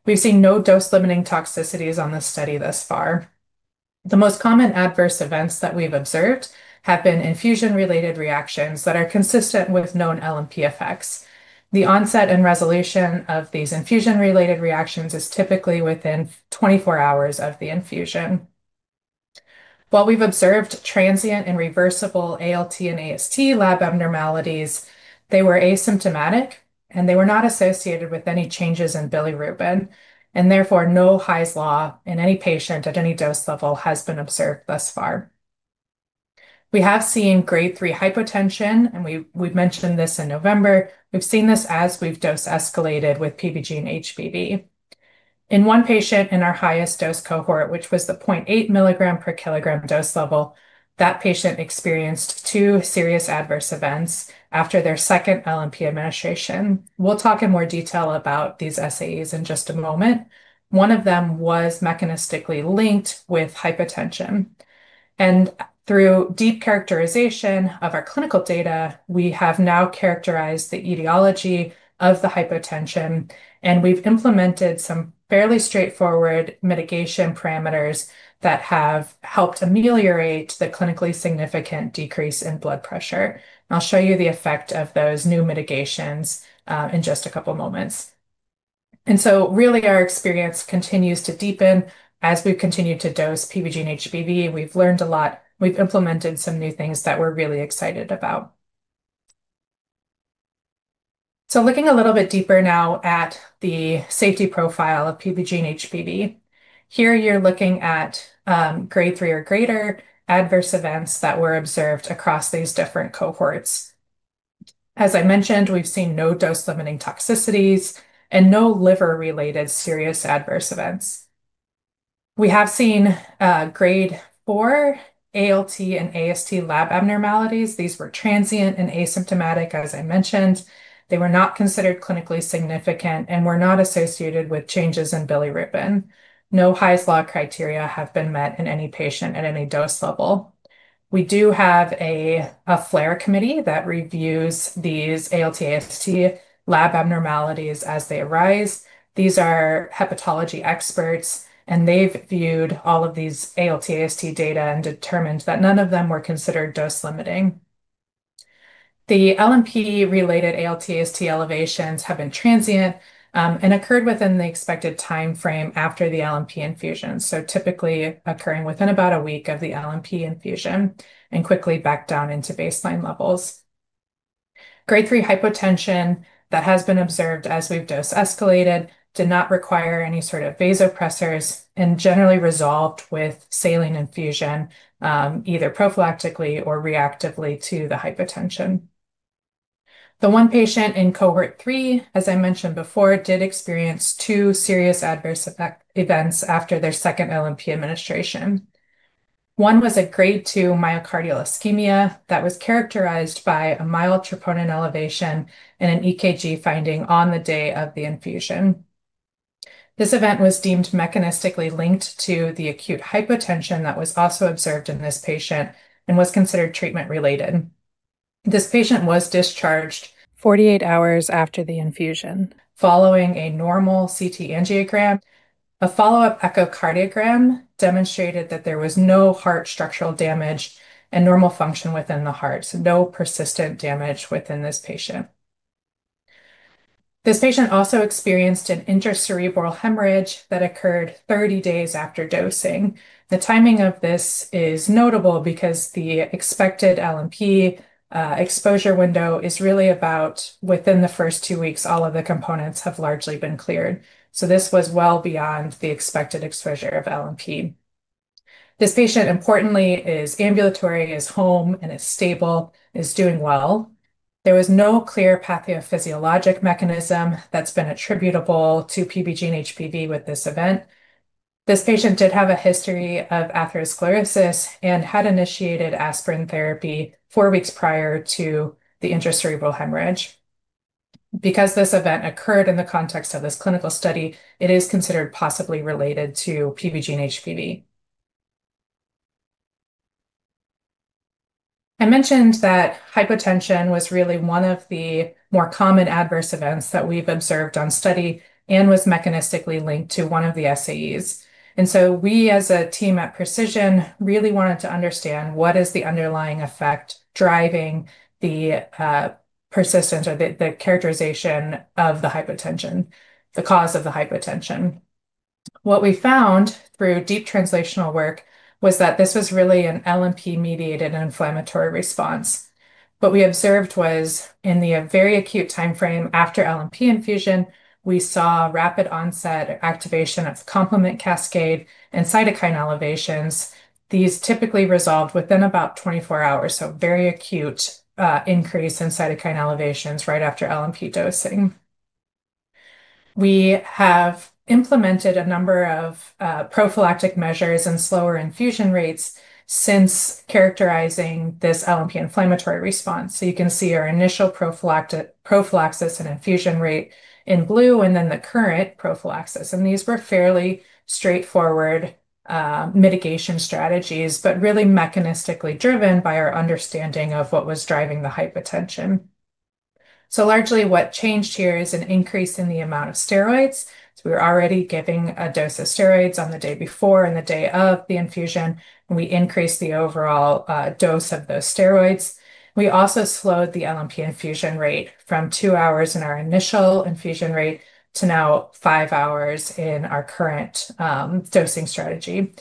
We've seen no dose-limiting toxicities on this study thus far. The most common adverse events that we've observed have been infusion-related reactions that are consistent with known LNP effects. The onset and resolution of these infusion-related reactions is typically within 24 hours of the infusion. While we've observed transient and reversible ALT and AST lab abnormalities, they were asymptomatic, They were not associated with any changes in bilirubin, Therefore, no Hy's Law in any patient at any dose level has been observed thus far. We have seen grade three hypotension, We've mentioned this in November. We've seen this as we've dose escalated with PBGENE-HBV. In one patient in our highest dose cohort, which was the point eight milligram per kilogram dose level, that patient experienced two serious adverse events after their second LNP administration. We'll talk in more detail about these SAEs in just a moment. One of them was mechanistically linked with hypotension. Through deep characterization of our clinical data, we have now characterized the etiology of the hypotension, and we've implemented some fairly straightforward mitigation parameters that have helped ameliorate the clinically significant decrease in blood pressure. I'll show you the effect of those new mitigations in just a couple of moments. Really, our experience continues to deepen as we've continued to dose PBGENE-HBV, and we've learned a lot. We've implemented some new things that we're really excited about. Looking a little bit deeper now at the safety profile of PBGENE-HBV. Here, you're looking at grade three or greater adverse events that were observed across these different cohorts. As I mentioned, we've seen no dose-limiting toxicities and no liver-related serious adverse events. We have seen grade four ALT and AST lab abnormalities. These were transient and asymptomatic, as I mentioned. They were not considered clinically significant and were not associated with changes in bilirubin. No Hy's Law criteria have been met in any patient at any dose level. We do have a flare committee that reviews these ALT/AST lab abnormalities as they arise. These are hepatology experts, and they've viewed all of these ALT/AST data and determined that none of them were considered dose-limiting. The LNP-related ALT/AST elevations have been transient and occurred within the expected time frame after the LNP infusion. Typically occurring within about a week of the LNP infusion and quickly back down into baseline levels. Grade three hypotension that has been observed as we've dose escalated did not require any sort of vasopressors and generally resolved with saline infusion, either prophylactically or reactively to the hypotension. The one patient in cohort three, as I mentioned before, did experience two serious adverse events after their second LNP administration. One was a grade two myocardial ischemia that was characterized by a mild troponin elevation and an EKG finding on the day of the infusion. This event was deemed mechanistically linked to the acute hypotension that was also observed in this patient and was considered treatment-related. This patient was discharged 48 hours after the infusion following a normal CT angiogram. A follow-up echocardiogram demonstrated that there was no heart structural damage and normal function within the heart. No persistent damage within this patient. This patient also experienced an intracerebral hemorrhage that occurred 30 days after dosing. The timing of this is notable because the expected LNP exposure window is really about within the first two weeks, all of the components have largely been cleared. This was well beyond the expected exposure of LNP. This patient, importantly, is ambulatory, is home and is stable, is doing well. There was no clear pathophysiologic mechanism that's been attributable to PBGENE-HBV with this event. This patient did have a history of atherosclerosis and had initiated aspirin therapy four weeks prior to the intracerebral hemorrhage. This event occurred in the context of this clinical study, it is considered possibly related to PBGENE-HBV. I mentioned that hypotension was really one of the more common adverse events that we've observed on study and was mechanistically linked to one of the SAEs. We as a team at Precision really wanted to understand what is the underlying effect driving the persistent or the characterization of the hypotension, the cause of the hypotension. What we found through deep translational work was that this was really an LNP-mediated inflammatory response. What we observed was in the very acute time frame after LNP infusion, we saw rapid onset activation of complement cascade and cytokine elevations. These typically resolved within about 24 hours, very acute increase in cytokine elevations right after LNP dosing. We have implemented a number of prophylactic measures and slower infusion rates since characterizing this LNP inflammatory response. You can see our initial prophylaxis and infusion rate in blue, and then the current prophylaxis. These were fairly straightforward mitigation strategies, but really mechanistically driven by our understanding of what was driving the hypotension. Largely what changed here is an increase in the amount of steroids. We're already giving a dose of steroids on the day before and the day of the infusion, and we increase the overall dose of those steroids. We also slowed the LNP infusion rate from two hours in our initial infusion rate to now five hours in our current dosing strategy.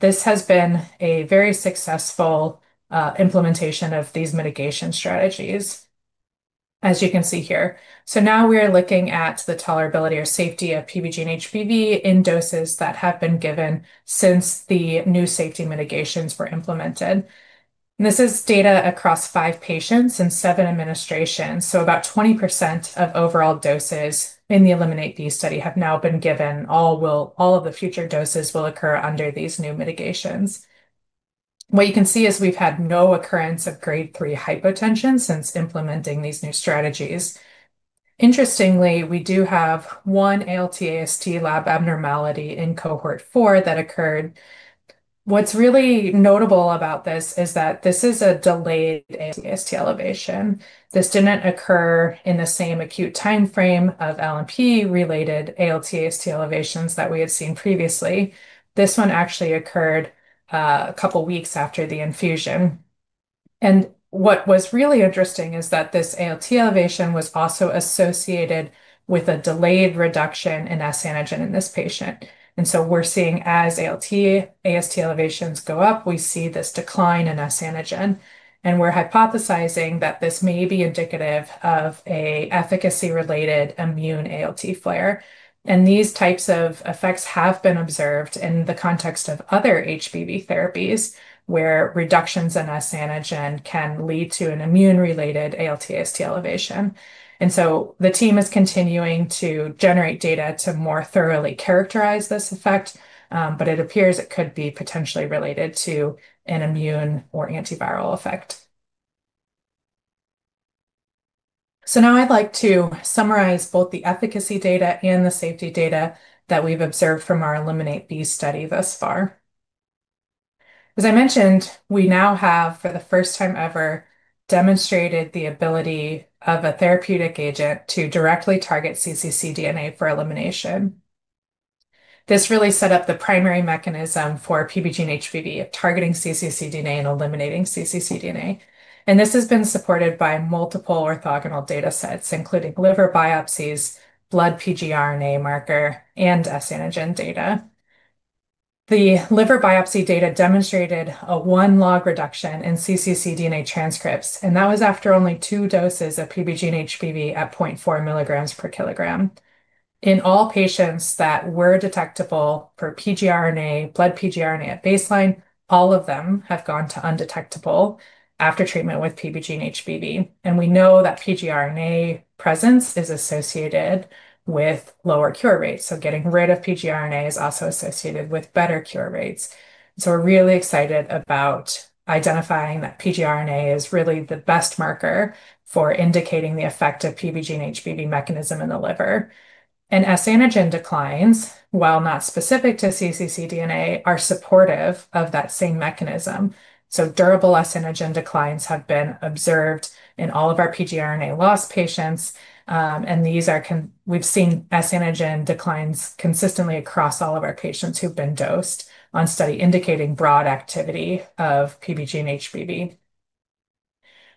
This has been a very successful implementation of these mitigation strategies, as you can see here. Now we are looking at the tolerability or safety of PBGENE-HBV in doses that have been given since the new safety mitigations were implemented. This is data across five patients and seven administrations. About 20% of overall doses in the ELIMINATE-B study have now been given. All of the future doses will occur under these new mitigations. What you can see is we've had no occurrence of grade three hypotension since implementing these new strategies. Interestingly, we do have one ALT, AST lab abnormality in cohort four that occurred. What's really notable about this is that this is a delayed AST elevation. This didn't occur in the same acute timeframe of LNP-related ALT, AST elevations that we had seen previously. This one actually occurred a couple of weeks after the infusion. What was really interesting is that this ALT elevation was also associated with a delayed reduction in S-antigen in this patient. We're seeing as ALT, AST elevations go up, we see this decline in S-antigen, and we're hypothesizing that this may be indicative of a efficacy-related immune ALT flare. These types of effects have been observed in the context of other HBV therapies, where reductions in S-antigen can lead to an immune-related ALT, AST elevation. The team is continuing to generate data to more thoroughly characterize this effect, but it appears it could be potentially related to an immune or antiviral effect. Now I'd like to summarize both the efficacy data and the safety data that we've observed from our ELIMINATE-B study thus far. As I mentioned, we now have, for the first time ever, demonstrated the ability of a therapeutic agent to directly target cccDNA for elimination. This really set up the primary mechanism for PBGENE-HBV of targeting cccDNA and eliminating cccDNA. This has been supported by multiple orthogonal data sets, including liver biopsies, blood pgRNA marker, and S-antigen data. The liver biopsy data demonstrated a 1-log reduction in cccDNA transcripts, and that was after only two doses of PBGENE-HBV at point four milligrams per kilogram. In all patients that were detectable for pgRNA, blood pgRNA at baseline, all of them have gone to undetectable after treatment with PBG-HBV. We know that pgRNA presence is associated with lower cure rates, so getting rid of pgRNA is also associated with better cure rates. We're really excited about identifying that pgRNA is really the best marker for indicating the effect of PBG-HBV mechanism in the liver. S-antigen declines, while not specific to cccDNA, are supportive of that same mechanism. Durable S-antigen declines have been observed in all of our pgRNA loss patients. We've seen S-antigen declines consistently across all of our patients who've been dosed on study indicating broad activity of PBG-HBV.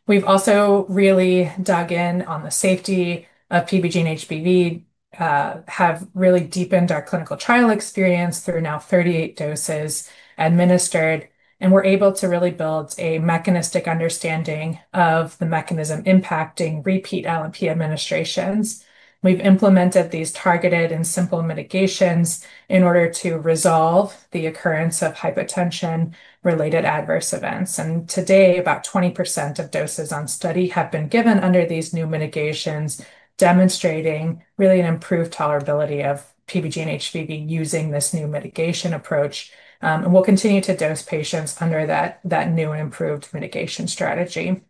We've also really dug in on the safety of PBGENE-HBV, have really deepened our clinical trial experience through now 38 doses administered. We're able to really build a mechanistic understanding of the mechanism impacting repeat LNP administrations. We've implemented these targeted and simple mitigations in order to resolve the occurrence of hypotension-related adverse events. Today, about 20% of doses on study have been given under these new mitigations, demonstrating really an improved tolerability of PBGENE-HBV using this new mitigation approach. We'll continue to dose patients under that new and improved mitigation strategy.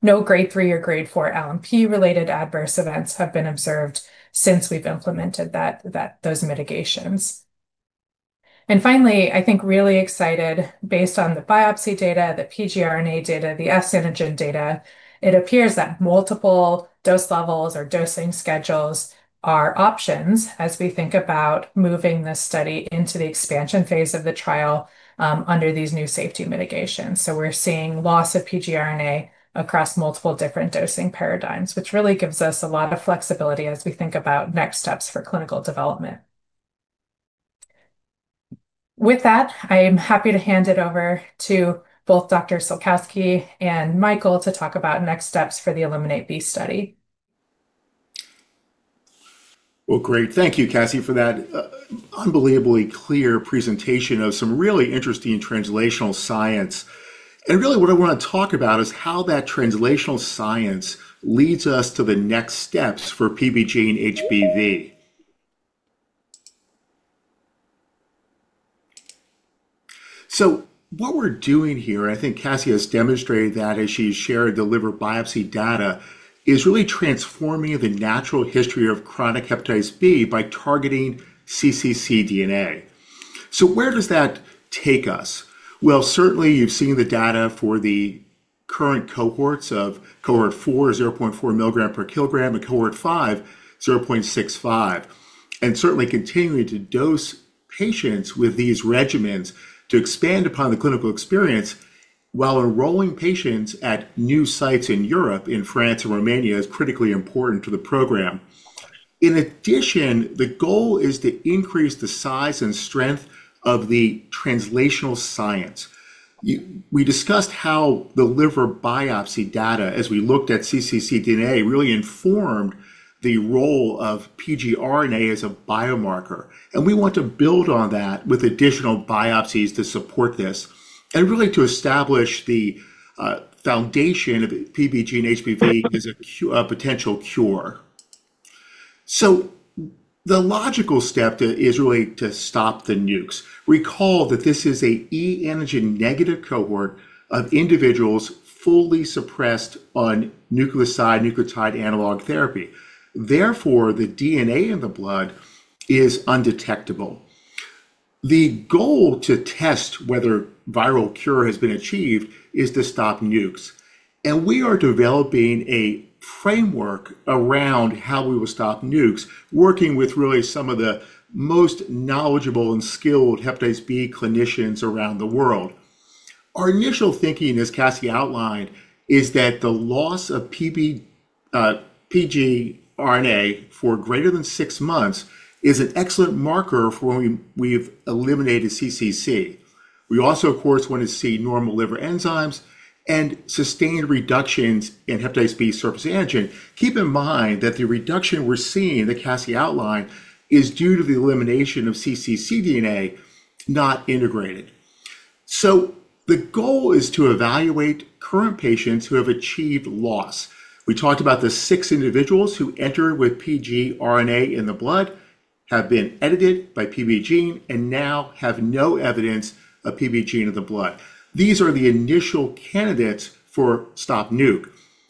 No grade three or grade four LNP-related adverse events have been observed since we've implemented those mitigations. Finally, I think really excited based on the biopsy data, the pgRNA data, the S-antigen data, it appears that multiple dose levels or dosing schedules are options as we think about moving this study into the expansion phase of the trial under these new safety mitigations. We're seeing loss of pgRNA across multiple different dosing paradigms, which really gives us a lot of flexibility as we think about next steps for clinical development. With that, I am happy to hand it over to both Dr. Sulkowski and Michael to talk about next steps for the ELIMINATE-B study. Well, great. Thank you, Cassie, for that unbelievably clear presentation of some really interesting translational science. Really what I want to talk about is how that translational science leads us to the next steps for PBGENE-HBV. What we're doing here, I think Cassie has demonstrated that as she's shared the liver biopsy data, is really transforming the natural history of chronic hepatitis B by targeting cccDNA. Where does that take us? Well, certainly you've seen the data for the current cohorts of cohort four, point four milligram per kilogram, and cohort five, zero point six five. Certainly continuing to dose patients with these regimens to expand upon the clinical experience while enrolling patients at new sites in Europe, in France and Romania, is critically important to the program. In addition, the goal is to increase the size and strength of the translational science. We discussed how the liver biopsy data, as we looked at cccDNA, really informed the role of pgRNA as a biomarker, and we want to build on that with additional biopsies to support this and really to establish the foundation of PBGENE-HBV as a potential cure. The logical step is really to stop the NUCs. Recall that this is a e antigen negative cohort of individuals fully suppressed on nucleoside/nucleotide analogue therapy. Therefore, the DNA in the blood is undetectable. The goal to test whether viral cure has been achieved is to stop NUCs. We are developing a framework around how we will stop NUCs, working with really some of the most knowledgeable and skilled Hepatitis B clinicians around the world. Our initial thinking, as Cassie outlined, is that the loss of pgRNA for greater than six months is an excellent marker for when we've eliminated ccc. We also, of course, want to see normal liver enzymes and sustained reductions in hepatitis B surface antigen. Keep in mind that the reduction we're seeing, that Cassie outlined, is due to the elimination of cccDNA not integrated. The goal is to evaluate current patients who have achieved loss. We talked about the six individuals who entered with pgRNA in the blood, have been edited by PBGENE, and now have no evidence of PBGENE in the blood. These are the initial candidates for stop NUC.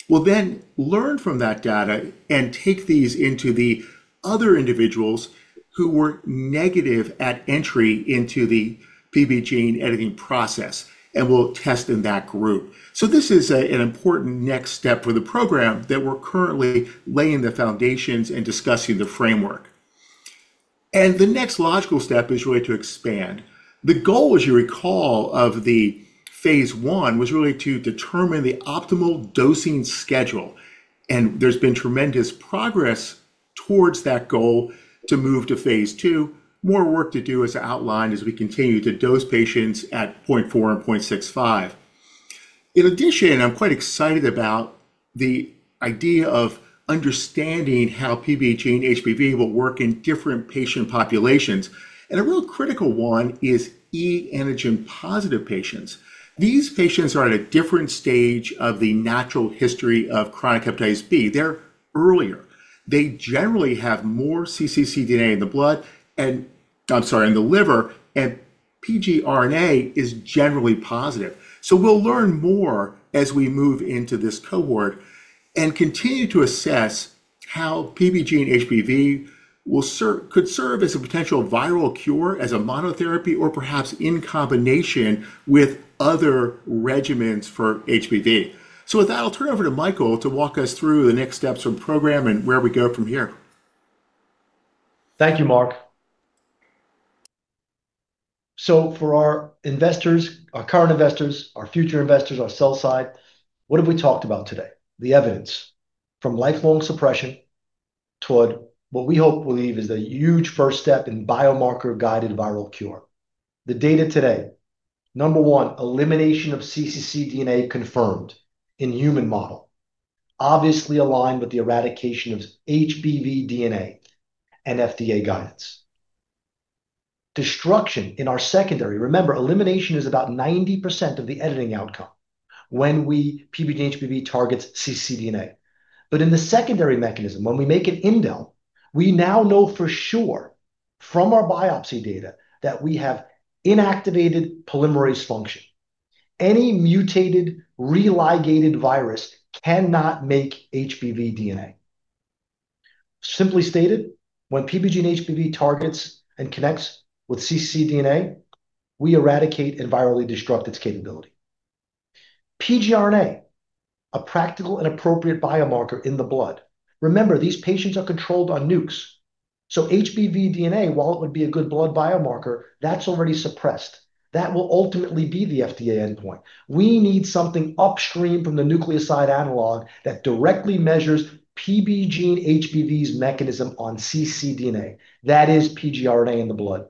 We'll then learn from that data and take these into the other individuals who were negative at entry into the PBGENE editing process, and we'll test in that group. This is an important next step for the program that we're currently laying the foundations and discussing the framework. The next logical step is really to expand. The goal, as you recall, of the phase I was really to determine the optimal dosing schedule. There's been tremendous progress towards that goal to move to phase II. More work to do as outlined as we continue to dose patients at point four and point six five. In addition, I'm quite excited about the idea of understanding how PBGENE-HBV will work in different patient populations. A real critical one is e antigen positive patients. These patients are at a different stage of the natural history of chronic Hepatitis B. They're earlier. They generally have more cccDNA in the blood, I'm sorry, in the liver. pgRNA is generally positive. We'll learn more as we move into this cohort and continue to assess how PBGENE-HBV could serve as a potential viral cure, as a monotherapy, or perhaps in combination with other regimens for HBV. With that, I'll turn over to Michael to walk us through the next steps from program and where we go from here. Thank you, Mark. For our investors, our current investors, our future investors, our sell side, what have we talked about today? The evidence from lifelong suppression toward what we hope believe is a huge first step in biomarker-guided viral cure. The data today, number one, elimination of cccDNA confirmed in human model, obviously aligned with the eradication of HBV DNA and FDA guidance. Destruction in our secondary. Remember, elimination is about 90% of the editing outcome when PBGENE-HBV targets cccDNA. In the secondary mechanism, when we make an indel, we now know for sure from our biopsy data that we have inactivated polymerase function. Any mutated religated virus cannot make HBV DNA. Simply stated, when PBGENE-HBV targets and connects with cccDNA, we eradicate and virally destruct its capability. pgRNA, a practical and appropriate biomarker in the blood. Remember, these patients are controlled on NUCs. HBV DNA, while it would be a good blood biomarker, that's already suppressed. That will ultimately be the FDA endpoint. We need something upstream from the nucleoside analog that directly measures PBGENE-HBV's mechanism on cccDNA. That is pgRNA in the blood.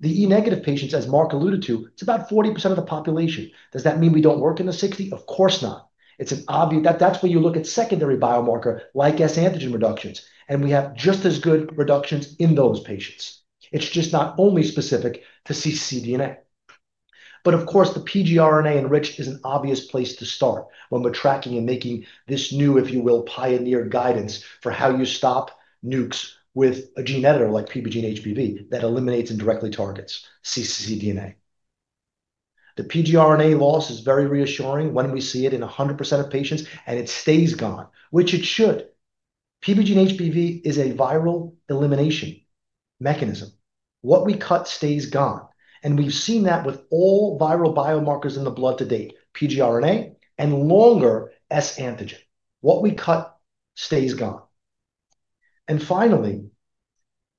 The e-negative patients, as Mark alluded to, it's about 40% of the population. Does that mean we don't work in the 60? Of course not. That's where you look at secondary biomarker like S-antigen reductions, and we have just as good reductions in those patients. It's just not only specific to cccDNA. Of course, the pgRNA enrich is an obvious place to start when we're tracking and making this new, if you will, pioneer guidance for how you stop NUCs with a gene editor like PBGENE-HBV that eliminates and directly targets cccDNA. The pgRNA loss is very reassuring when we see it in 100% of patients, and it stays gone, which it should. PBGENE-HBV is a viral elimination mechanism. What we cut stays gone, and we've seen that with all viral biomarkers in the blood to date, pgRNA and longer S-antigen. What we cut stays gone. Finally,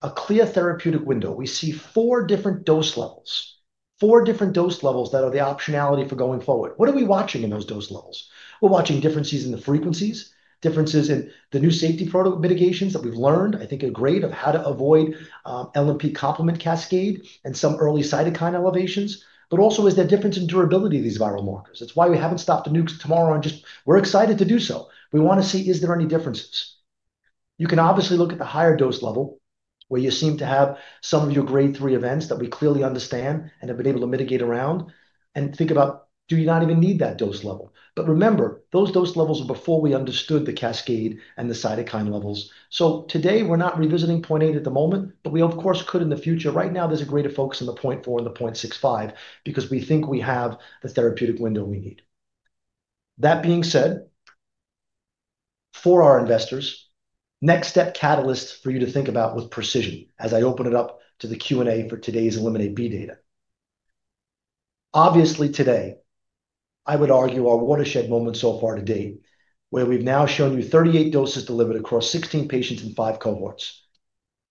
a clear therapeutic window. We see four different dose levels, four different dose levels that are the optionality for going forward. What are we watching in those dose levels? We're watching differences in the frequencies, differences in the new safety protocol mitigations that we've learned, I think are great, of how to avoid LNP complement cascade and some early cytokine elevations. Also, is there difference in durability of these viral markers? That's why we haven't stopped the NUCs tomorrow and just we're excited to do so. We want to see, is there any differences? You can obviously look at the higher dose level, where you seem to have some of your grade three events that we clearly understand and have been able to mitigate around and think about, do you not even need that dose level? Remember, those dose levels are before we understood the cascade and the cytokine levels. Today, we're not revisiting point eight at the moment, but we of course, could in the future. Right now, there's a greater focus on the point four and the point six five because we think we have the therapeutic window we need. That being said, for our investors, next step catalysts for you to think about with Precision as I open it up to the Q&A for today's ELIMINATE-B data. Obviously today, I would argue our watershed moment so far to date, where we've now shown you 38 doses delivered across 16 patients in five cohorts.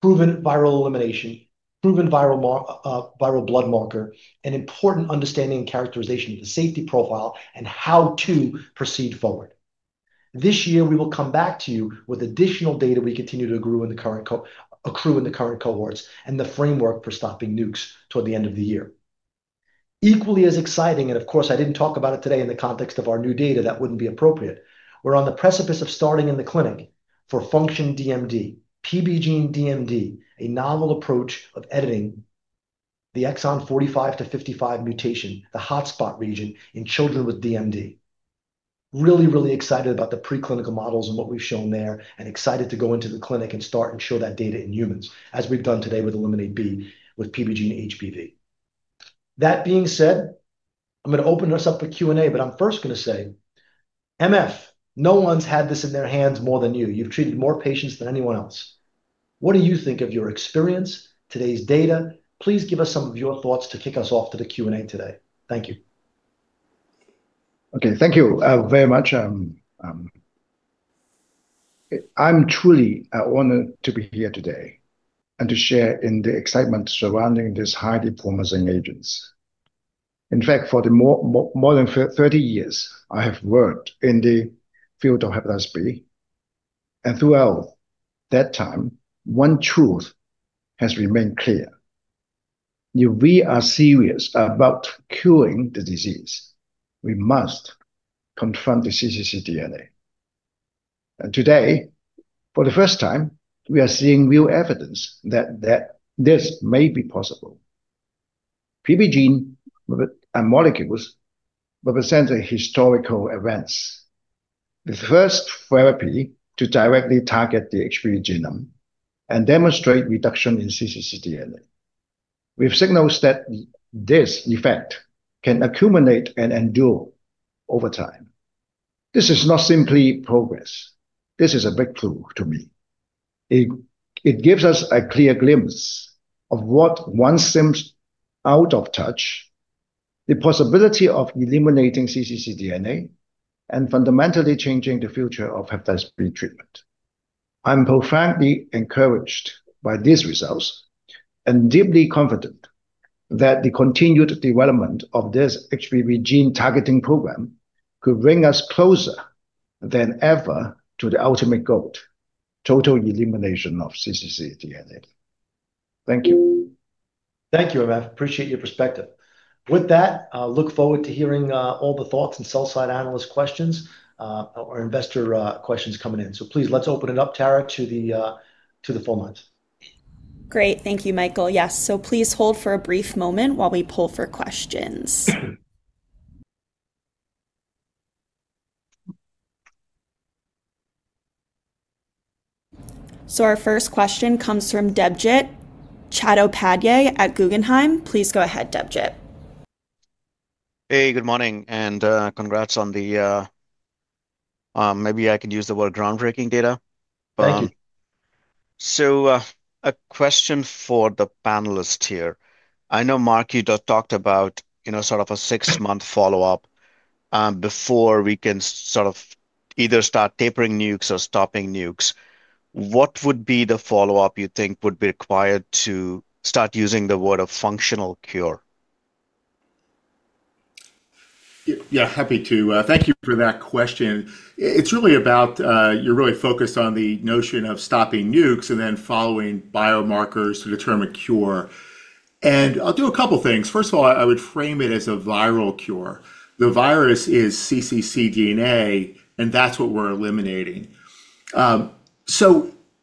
Proven viral elimination, proven viral blood marker, and important understanding and characterization of the safety profile and how to proceed forward. This year, we will come back to you with additional data we continue to accrue in the current cohorts and the framework for stopping NUCs toward the end of the year. Equally as exciting, of course, I didn't talk about it today in the context of our new data, that wouldn't be appropriate. We're on the precipice of starting in the clinic for FUNCTION-DMD, PBGENE-DMD, a novel approach of editing the exon 45-55 mutation, the hotspot region in children with DMD. Really excited about the preclinical models and what we've shown there, and excited to go into the clinic and start and show that data in humans, as we've done today with ELIMINATE-B with PBGENE-HBV. That being said, I'm going to open us up for Q&A, I'm first going to say, MF, no one's had this in their hands more than you. You've treated more patients than anyone else. What do you think of your experience, today's data? Please give us some of your thoughts to kick us off to the Q&A today. Thank you. Okay. Thank you very much. I'm truly honored to be here today and to share in the excitement surrounding these highly promising agents. In fact, for more than 30 years, I have worked in the field of hepatitis B. Throughout that time, one truth has remained clear. If we are serious about curing the disease, we must confront the cccDNA. Today, for the first time, we are seeing real evidence that this may be possible. PBGENE-HBV molecules represent a historical advance. The first therapy to directly target the HBV genome and demonstrate reduction in cccDNA. We have signals that this effect can accumulate and endure over time. This is not simply progress. This is a breakthrough to me. It gives us a clear glimpse of what once seemed out of touch, the possibility of eliminating cccDNA and fundamentally changing the future of hepatitis B treatment. I'm profoundly encouraged by these results and deeply confident that the continued development of this HBV gene targeting program could bring us closer than ever to the ultimate goal, total elimination of cccDNA. Thank you. Thank you, MF. Appreciate your perspective. With that, I'll look forward to hearing all the thoughts and sell-side analyst questions, our investor questions coming in. Please, let's open it up, Tara, to the phone lines. Great. Thank you, Michael. Yes. Please hold for a brief moment while we poll for questions. Our first question comes from Debjit Chattopadhyay at Guggenheim. Please go ahead, Debjit. Hey, good morning and congrats on the, maybe I could use the word groundbreaking data. Thank you. A question for the panelist here. I know, Mark, you talked about sort of a six-month follow-up before we can sort of either start tapering NUCs or stopping NUCs. What would be the follow-up you think would be required to start using the word a functional cure? Yeah, happy to. Thank you for that question. It's really about, you're really focused on the notion of stopping NUCs and then following biomarkers to determine cure. I'll do a couple things. First of all, I would frame it as a viral cure. The virus is cccDNA, and that's what we're eliminating.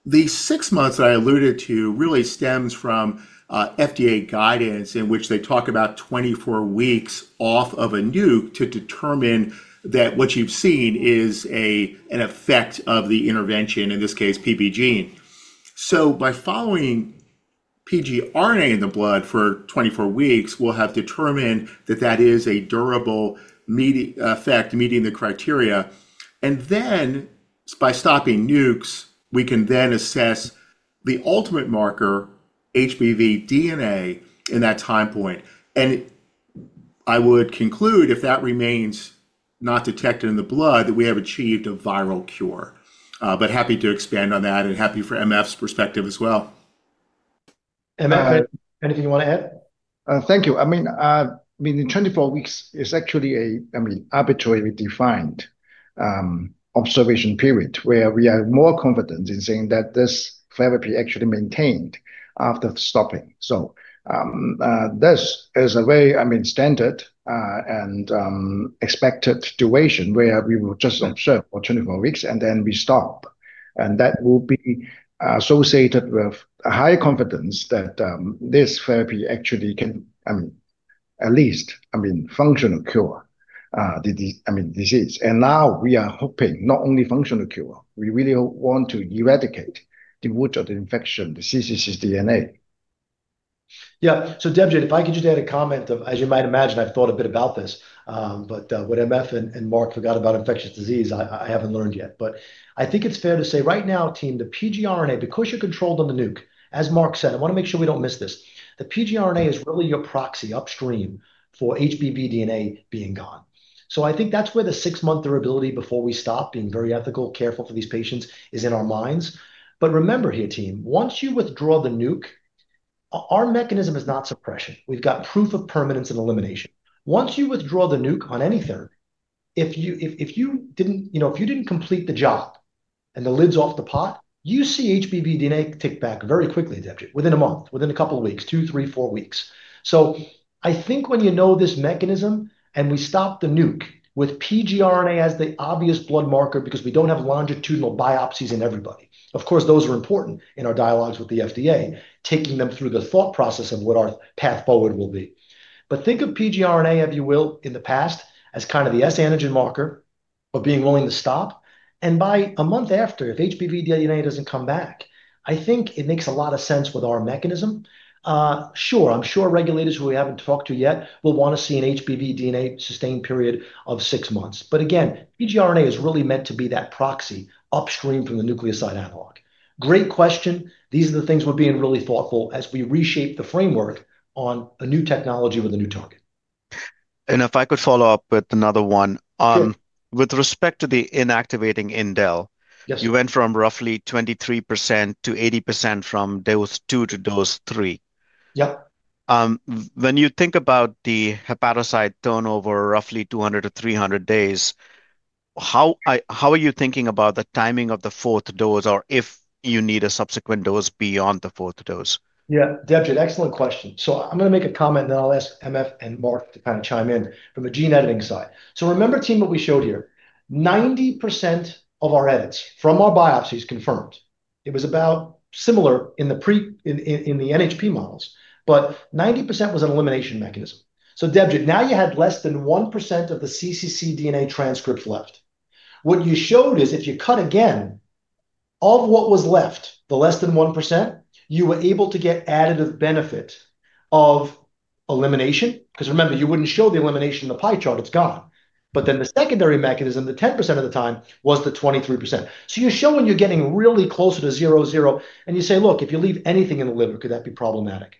The six months that I alluded to really stems from FDA guidance in which they talk about 24 weeks off of a NUC to determine that what you've seen is an effect of the intervention, in this case, PBGENE. By following pgRNA in the blood for 24 weeks, we'll have determined that that is a durable effect meeting the criteria. By stopping NUCs, we can then assess the ultimate marker, HBV DNA, in that time point. I would conclude, if that remains not detected in the blood, that we have achieved a viral cure. Happy to expand on that and happy for MF's perspective as well. MF, anything you want to add? Thank you. In 24 weeks, it's actually an arbitrarily defined observation period, where we are more confident in saying that this therapy actually maintained after stopping. This is a very standard and expected duration, where we will just observe for 24 weeks and then we stop. That will be associated with a high confidence that this therapy actually can at least functional cure the disease. Now we are hoping not only functional cure, we really want to eradicate the root of the infection, the cccDNA. Debjit, if I could just add a comment. As you might imagine, I've thought a bit about this, but what MF and Mark forgot about infectious disease, I haven't learned yet. I think it's fair to say right now, team, the pgRNA, because you're controlled on the NUC, as Mark said, I want to make sure we don't miss this. The pgRNA is really your proxy upstream for HBV DNA being gone. I think that's where the six-month durability before we stop being very ethical, careful for these patients is in our minds. Remember here, team, once you withdraw the NUC, our mechanism is not suppression. We've got proof of permanence and elimination. Once you withdraw the NUC on any therapy, if you didn't complete the job and the lid's off the pot, you see HBV DNA tick back very quickly, Debjit, within a month, within a couple of weeks, two, three, four weeks. I think when you know this mechanism and we stop the NUC with pgRNA as the obvious blood marker because we don't have longitudinal biopsies in everybody. Of course, those are important in our dialogues with the FDA, taking them through the thought process of what our path forward will be. Think of pgRNA, if you will, in the past as kind of the S antigen marker of being willing to stop. By a month after, if HBV DNA doesn't come back, I think it makes a lot of sense with our mechanism. Sure, I'm sure regulators who we haven't talked to yet will want to see an HBV DNA sustained period of six months. Again, pgRNA is really meant to be that proxy upstream from the nucleoside analog. Great question. These are the things we're being really thoughtful as we reshape the framework on a new technology with a new target. If I could follow up with another one. With respect to the inactivating indel, you went from roughly 23% to 80% from dose two to dose three. Yep. When you think about the hepatocyte turnover, roughly 200-300 days, how are you thinking about the timing of the fourth dose, or if you need a subsequent dose beyond the fourth dose? Yeah, Debjit, excellent question. I'm going to make a comment, and then I'll ask MF and Mark to chime in from the gene editing side. Remember, team, what we showed here, 90% of our edits from our biopsies confirmed. It was about similar in the NHP models, but 90% was an elimination mechanism. Debjit, now you had less than one percent of the cccDNA transcripts left. What you showed is if you cut again, of what was left, the less than one percent, you were able to get additive benefit of elimination. Remember, you wouldn't show the elimination in the pie chart, it's gone. Then the secondary mechanism, the 10% of the time was the 23%. You're showing you're getting really closer to zero-zero, and you say, "Look, if you leave anything in the liver, could that be problematic?"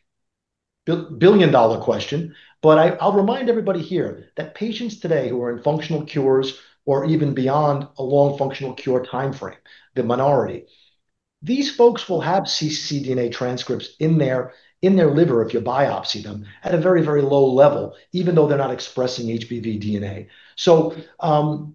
Billion-dollar question. I'll remind everybody here that patients today who are in functional cures or even beyond a long functional cure timeframe, the minority, these folks will have cccDNA transcripts in their liver if you biopsy them at a very, very low level, even though they're not expressing HBV DNA.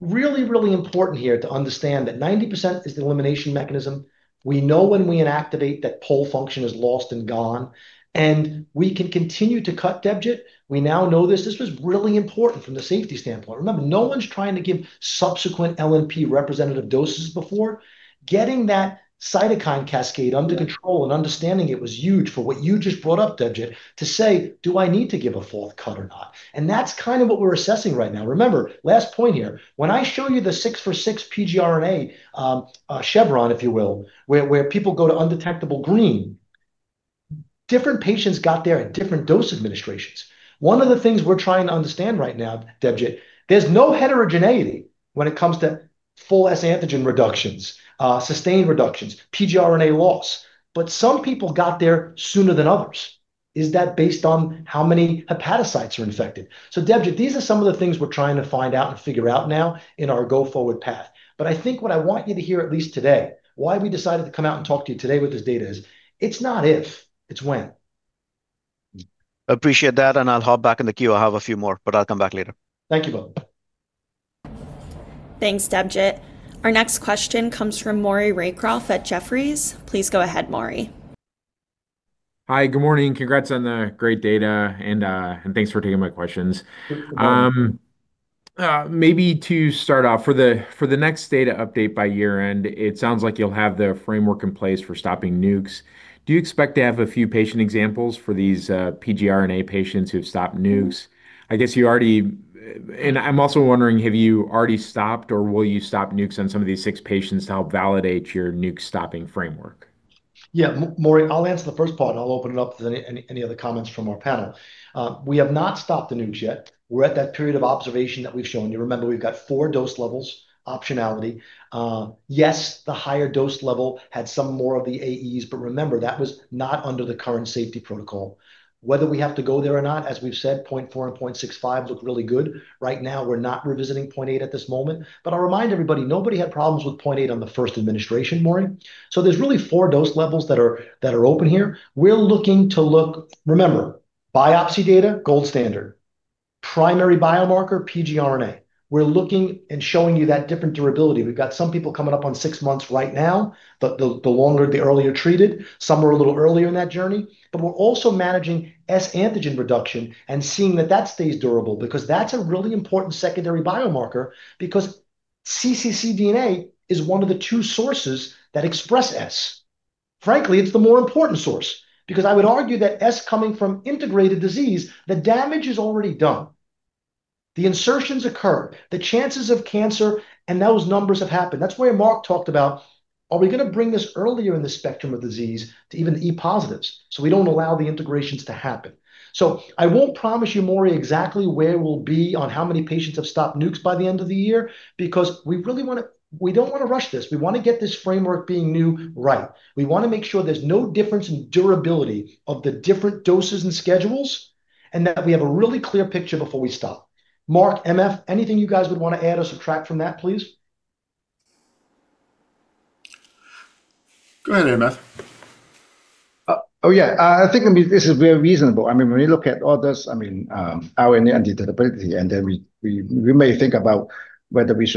Really, really important here to understand that 90% is the elimination mechanism. We know when we inactivate, that POL function is lost and gone, and we can continue to cut, Debjit. We now know this. This was really important from the safety standpoint. Remember, no one's trying to give subsequent LNP representative doses before. Getting that cytokine cascade under control and understanding it was huge for what you just brought up, Debjit, to say, "Do I need to give a fourth cut or not?" That's kind of what we're assessing right now. Remember, last point here. When I show you the six for six pgRNA chevron, if you will, where people go to undetectable green, different patients got there at different dose administrations. One of the things we're trying to understand right now, Debjit, there's no heterogeneity when it comes to full S-antigen reductions, sustained reductions, pgRNA loss. Some people got there sooner than others. Is that based on how many hepatocytes are infected? Debjit, these are some of the things we're trying to find out and figure out now in our go-forward path. I think what I want you to hear, at least today, why we decided to come out and talk to you today with this data is it's not if, it's when. Appreciate that, and I'll hop back in the queue. I have a few more, but I'll come back later. Thank you, bro. Thanks, Debjit. Our next question comes from Maury Raycroft at Jefferies. Please go ahead, Maury. Hi. Good morning. Congrats on the great data. Thanks for taking my questions. Maybe to start off, for the next data update by year-end, it sounds like you'll have the framework in place for stopping NUCs. Do you expect to have a few patient examples for these pgRNA patients who've stopped NUCs? I'm also wondering, have you already stopped or will you stop NUCs on some of these six patients to help validate your NUC-stopping framework? Yeah. Maury, I'll answer the first part, and I'll open it up to any other comments from our panel. We have not stopped the NUCs yet. We're at that period of observation that we've shown you. Remember, we've got four dose levels optionality. Yes, the higher dose level had some more of the AEs, but remember, that was not under the current safety protocol. Whether we have to go there or not, as we've said, point four and point six five look really good. Right now, we're not revisiting point eight at this moment, but I'll remind everybody, nobody had problems with point eight on the first administration, Maury. there's really four dose levels that are open here. Remember, biopsy data, gold standard. Primary biomarker, pgRNA. We're looking and showing you that different durability. We've got some people coming up on six months right now, but the longer, the earlier treated. Some were a little earlier in that journey. We're also managing S-antigen reduction and seeing that that stays durable, because that's a really important secondary biomarker because cccDNA is one of the two sources that express S. Frankly, it's the more important source, because I would argue that S coming from integrated disease, the damage is already done. The insertions occur, the chances of cancer, and those numbers have happened. That's where Mark talked about are we going to bring this earlier in the spectrum of disease to even e positives so we don't allow the integrations to happen. I won't promise you, Maury Raycroft, exactly where we'll be on how many patients have stopped NUCs by the end of the year, because we don't want to rush this. We want to get this framework being new right. We want to make sure there's no difference in durability of the different doses and schedules, and that we have a really clear picture before we stop. Mark, M.F., anything you guys would want to add or subtract from that, please? Go ahead, M.F. Oh, yeah. I think this is very reasonable. When we look at others, our undetectability, and then we may think about whether it's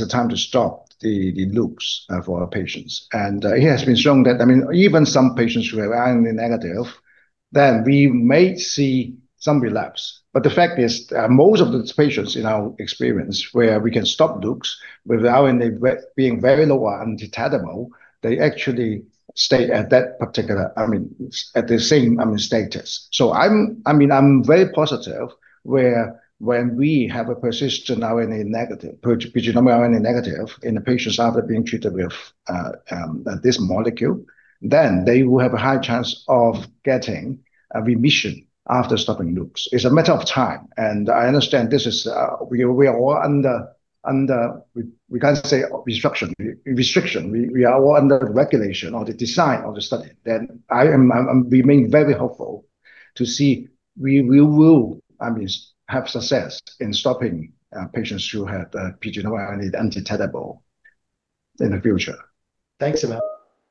a time to stop the NUCs for our patients. It has been shown that even some patients who are RNA negative, then we may see some relapse. The fact is, most of these patients, in our experience, where we can stop NUCs with our RNA being very low or undetectable, they actually stay at the same status. I'm very positive where when we have a persistent RNA negative, pgRNA negative in the patients after being treated with this molecule, then they will have a high chance of getting a remission after stopping NUCs. It's a matter of time. I understand we are all under regulation or the design of the study. I remain very hopeful to see we will have success in stopping patients who have pgRNA undetectable in the future. Thanks, M.F.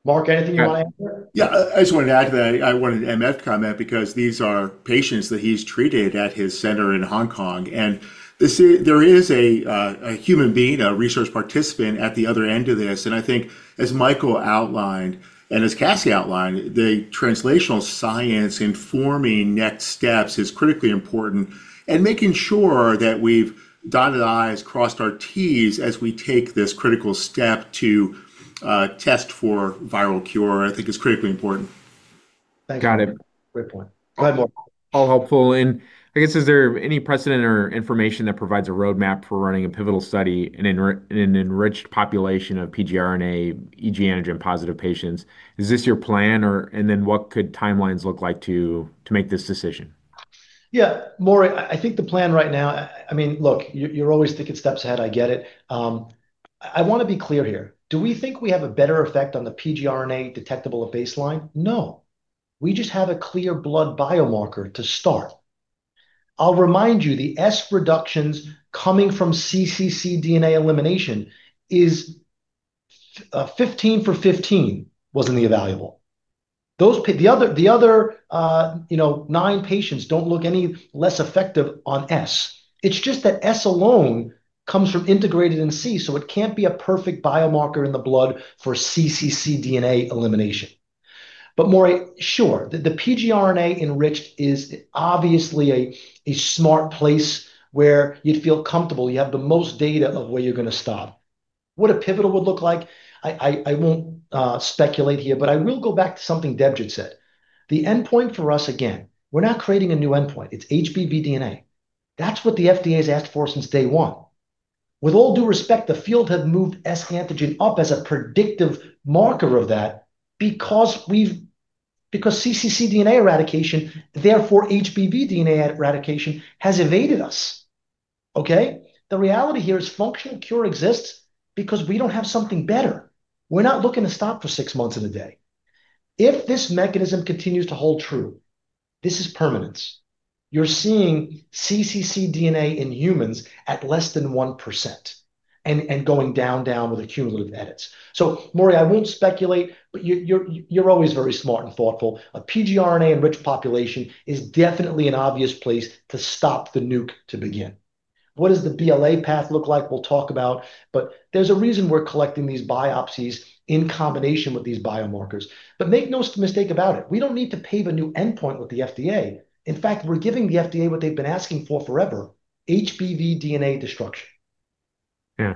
Mark, anything you want to add here? I just wanted to add to that. I wanted M.F. to comment because these are patients that he's treated at his center in Hong Kong. There is a human being, a research participant at the other end of this. I think as Michael outlined and as Cassie outlined, the translational science informing next steps is critically important. Making sure that we've dotted our i's, crossed our t's as we take this critical step to test for viral cure I think is critically important. Got it. Great point. Go ahead, Maury. All helpful. I guess, is there any precedent or information that provides a roadmap for running a pivotal study in an enriched population of pgRNA e-antigen positive patients? Is this your plan? What could timelines look like to make this decision? Yeah. Maury, I think the plan right now, look, you're always thinking steps ahead. I get it. I want to be clear here. Do we think we have a better effect on the pgRNA detectable at baseline? No. We just have a clear blood biomarker to start. I'll remind you, the S reductions coming from cccDNA elimination is 15 for 15 was in the evaluable. The other nine patients don't look any less effective on S. It's just that S alone comes from integrated in C, so it can't be a perfect biomarker in the blood for cccDNA elimination. Maury, sure, the pgRNA-enriched is obviously a smart place where you'd feel comfortable. You have the most data of where you're going to stop. What a pivotal would look like, I won't speculate here, but I will go back to something Debjit said. The endpoint for us, again, we're not creating a new endpoint. It's HBV DNA. That's what the FDA's asked for since day one. With all due respect, the field had moved S-antigen up as a predictive marker of that because cccDNA eradication, therefore HBV DNA eradication, has evaded us. Okay? The reality here is functional cure exists because we don't have something better. We're not looking to stop for six months and a day. If this mechanism continues to hold true, this is permanence. You're seeing cccDNA in humans at less than one percent and going down with accumulative edits. Maury, I won't speculate, but you're always very smart and thoughtful. A pgRNA-enriched population is definitely an obvious place to stop the NUCs to begin. What does the BLA path look like? We'll talk about, there's a reason we're collecting these biopsies in combination with these biomarkers. Make no mistake about it, we don't need to pave a new endpoint with the FDA. In fact, we're giving the FDA what they've been asking for forever, HBV DNA destruction. Yeah.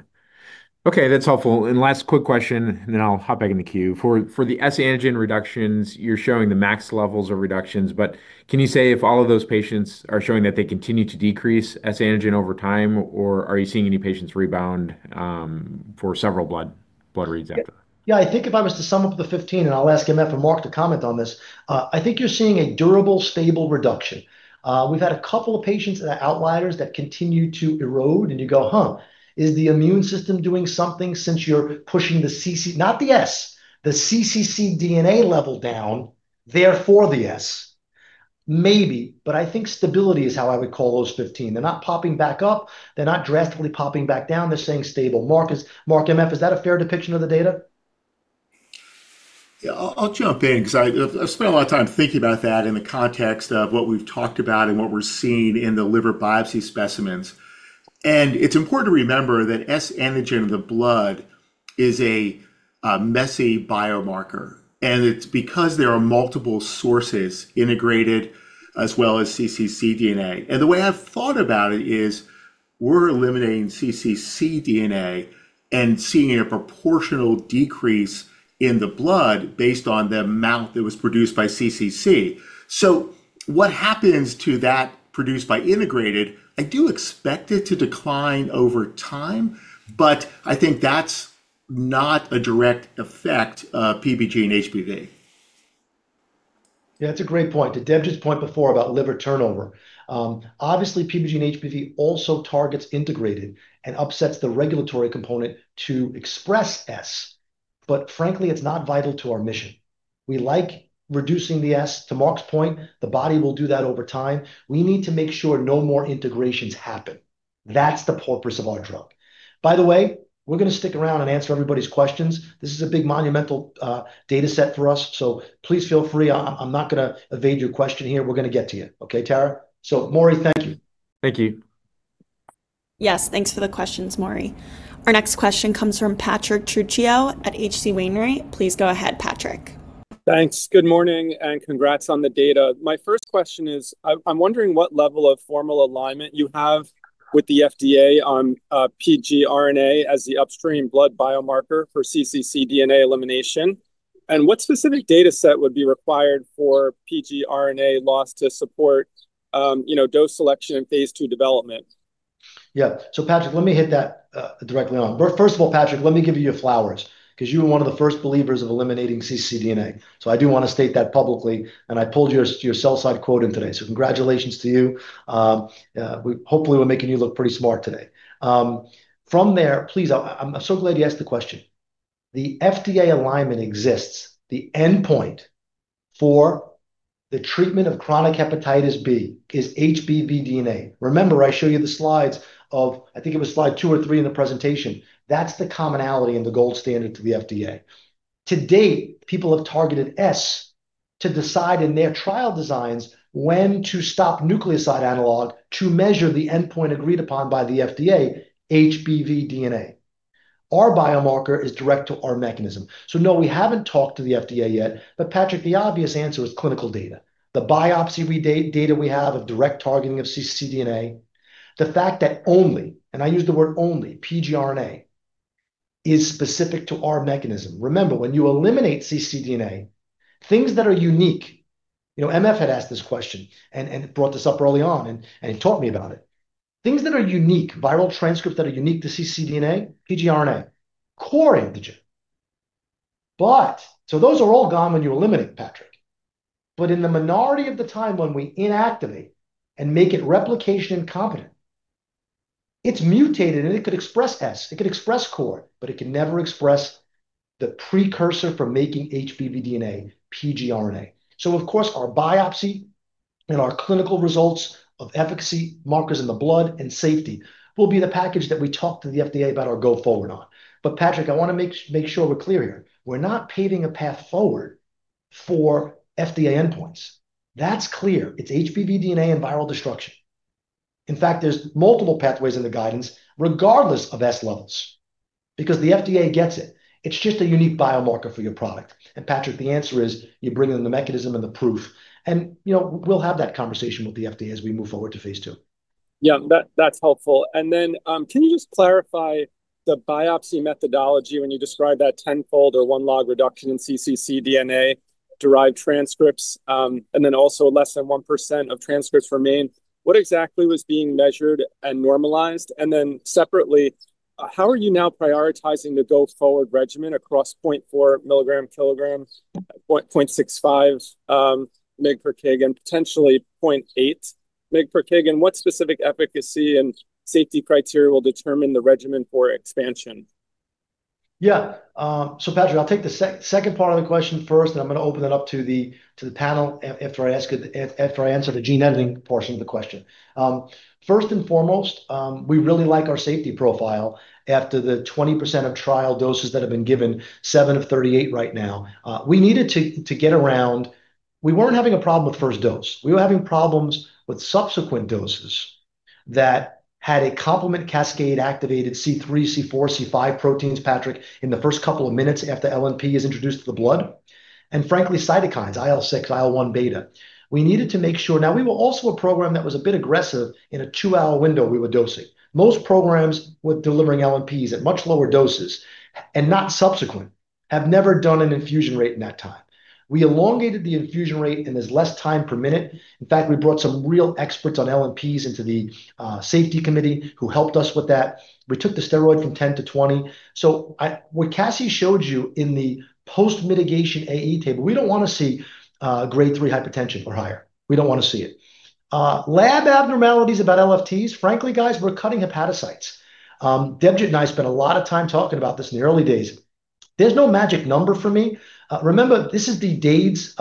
Okay, that's helpful. Last quick question, then I'll hop back in the queue. For the S-antigen reductions, you're showing the max levels of reductions, can you say if all of those patients are showing that they continue to decrease S-antigen over time, or are you seeing any patients rebound? Yeah, I think if I was to sum up the 15, and I'll ask MF and Mark to comment on this, I think you're seeing a durable, stable reduction. We've had a couple of patients that are outliers that continue to erode, and you go, "Huh. Is the immune system doing something since you're pushing the CC, not the S, the cccDNA level down, therefore the S?" Maybe, but I think stability is how I would call those 15. They're not popping back up. They're not drastically popping back down. They're staying stable. Mark MF, is that a fair depiction of the data? Yeah, I'll jump in because I've spent a lot of time thinking about that in the context of what we've talked about and what we're seeing in the liver biopsy specimens. It's important to remember that S-antigen in the blood is a messy biomarker, and it's because there are multiple sources integrated as well as cccDNA. The way I've thought about it is we're eliminating cccDNA and seeing a proportional decrease in the blood based on the amount that was produced by cccDNA. What happens to that produced by integrated, I do expect it to decline over time, but I think that's not a direct effect of PBGENE-HBV. That's a great point. To Deb's point before about liver turnover, obviously PBGENE-HBV also targets integrated and upsets the regulatory component to express S. Frankly, it's not vital to our mission. We like reducing the S. To Mark's point, the body will do that over time. We need to make sure no more integrations happen. That's the purpose of our drug. We're going to stick around and answer everybody's questions. This is a big, monumental dataset for us. Please feel free. I'm not going to evade your question here. We're going to get to you. Okay, Tara? Maury, thank you. Thank you. Yes, thanks for the questions, Maury. Our next question comes from Patrick Trucchio at H.C. Wainwright. Please go ahead, Patrick. Thanks. Good morning, and congrats on the data. My first question is, I'm wondering what level of formal alignment you have with the FDA on pgRNA as the upstream blood biomarker for cccDNA elimination, and what specific data set would be required for pgRNA loss to support dose selection in Phase II development? Yeah. Patrick, let me hit that directly on. First of all, Patrick, let me give you your flowers because you were one of the first believers of eliminating cccDNA. I do want to state that publicly, and I pulled your sell side quote in today. Congratulations to you. Hopefully, we're making you look pretty smart today. From there, please, I'm so glad you asked the question. The FDA alignment exists. The endpoint for the treatment of chronic hepatitis B is HBV DNA. Remember, I showed you the slides of, I think it was slide two or three in the presentation. That's the commonality and the gold standard to the FDA. To date, people have targeted S to decide in their trial designs when to stop nucleoside analog to measure the endpoint agreed upon by the FDA, HBV DNA. Our biomarker is direct to our mechanism. No, we haven't talked to the FDA yet. Patrick, the obvious answer is clinical data. The biopsy data we have of direct targeting of cccDNA. The fact that only, and I use the word only, pgRNA is specific to our mechanism. Remember, when you eliminate cccDNA, things that are unique. MF had asked this question and brought this up early on, and he taught me about it. Things that are unique, viral transcripts that are unique to cccDNA, pgRNA, Core antigen. Those are all gone when you eliminate, Patrick. In the minority of the time when we inactivate and make it replication incompetent, it's mutated, and it could express S, it could express Core, but it can never express the precursor for making HBV DNA, pgRNA. Of course, our biopsy and our clinical results of efficacy markers in the blood and safety will be the package that we talk to the FDA about our go forward on. Patrick, I want to make sure we're clear here. We're not paving a path forward for FDA endpoints. That's clear. It's HBV DNA and viral destruction. In fact, there's multiple pathways in the guidance, regardless of S levels, because the FDA gets it. It's just a unique biomarker for your product. Patrick, the answer is you bring them the mechanism and the proof, and we'll have that conversation with the FDA as we move forward to phase II. Yeah. That's helpful. Can you just clarify the biopsy methodology when you describe that tenfold or one log reduction in cccDNA-derived transcripts, and then also less than one percent of transcripts remain. What exactly was being measured and normalized? Separately, how are you now prioritizing the go-forward regimen across point four milligram kilogram, point six five mg per kg, and potentially point eight mg per kg, and what specific efficacy and safety criteria will determine the regimen for expansion? Patrick, I'll take the second part of the question first, and I'm going to open it up to the panel after I answer the gene editing portion of the question. First and foremost, we really like our safety profile after the 20% of trial doses that have been given, seven of 38 right now. We weren't having a problem with first dose. We were having problems with subsequent doses that had a complement cascade activated C3, C4, C5 proteins, Patrick, in the first couple of minutes after LNP is introduced to the blood. Frankly, cytokines, IL-6, IL-1 beta. We needed to make sure. We were also a program that was a bit aggressive in a two-hour window we were dosing. Most programs were delivering LNPs at much lower doses and not subsequent. Have never done an infusion rate in that time. We elongated the infusion rate, and there's less time per minute. In fact, we brought some real experts on LNPs into the Safety Committee who helped us with that. We took the steroid from 10 to 20. What Cassie showed you in the post-mitigation AE table, we don't want to see grade three hypertension or higher. We don't want to see it. Lab abnormalities about LFTs. Frankly, guys, we're cutting hepatocytes. Debjit and I spent a lot of time talking about this in the early days. There's no magic number for me. Remember, this is the DAIDS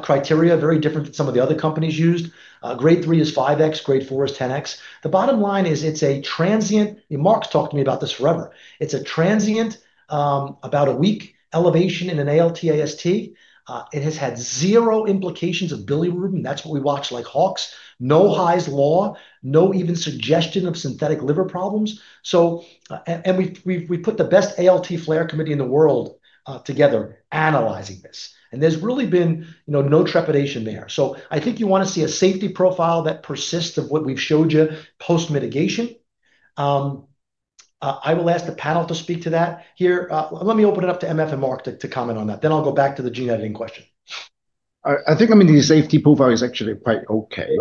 criteria, very different than some of the other companies used. Grade three is five-X, grade 4 is 10X. The bottom line is it's a transient. Mark's talked to me about this forever. It's a transient, about a week, elevation in an ALT, AST. It has had zero implications of bilirubin. That's what we watch like hawks. No Hy's Law, no even suggestion of synthetic liver problems. We put the best ALT flare committee in the world together analyzing this. There's really been no trepidation there. I think you want to see a safety profile that persists of what we've showed you post-mitigation. I will ask the panel to speak to that here. Let me open it up to MF and Mark to comment on that. I'll go back to the gene editing question. I think the safety profile is actually quite okay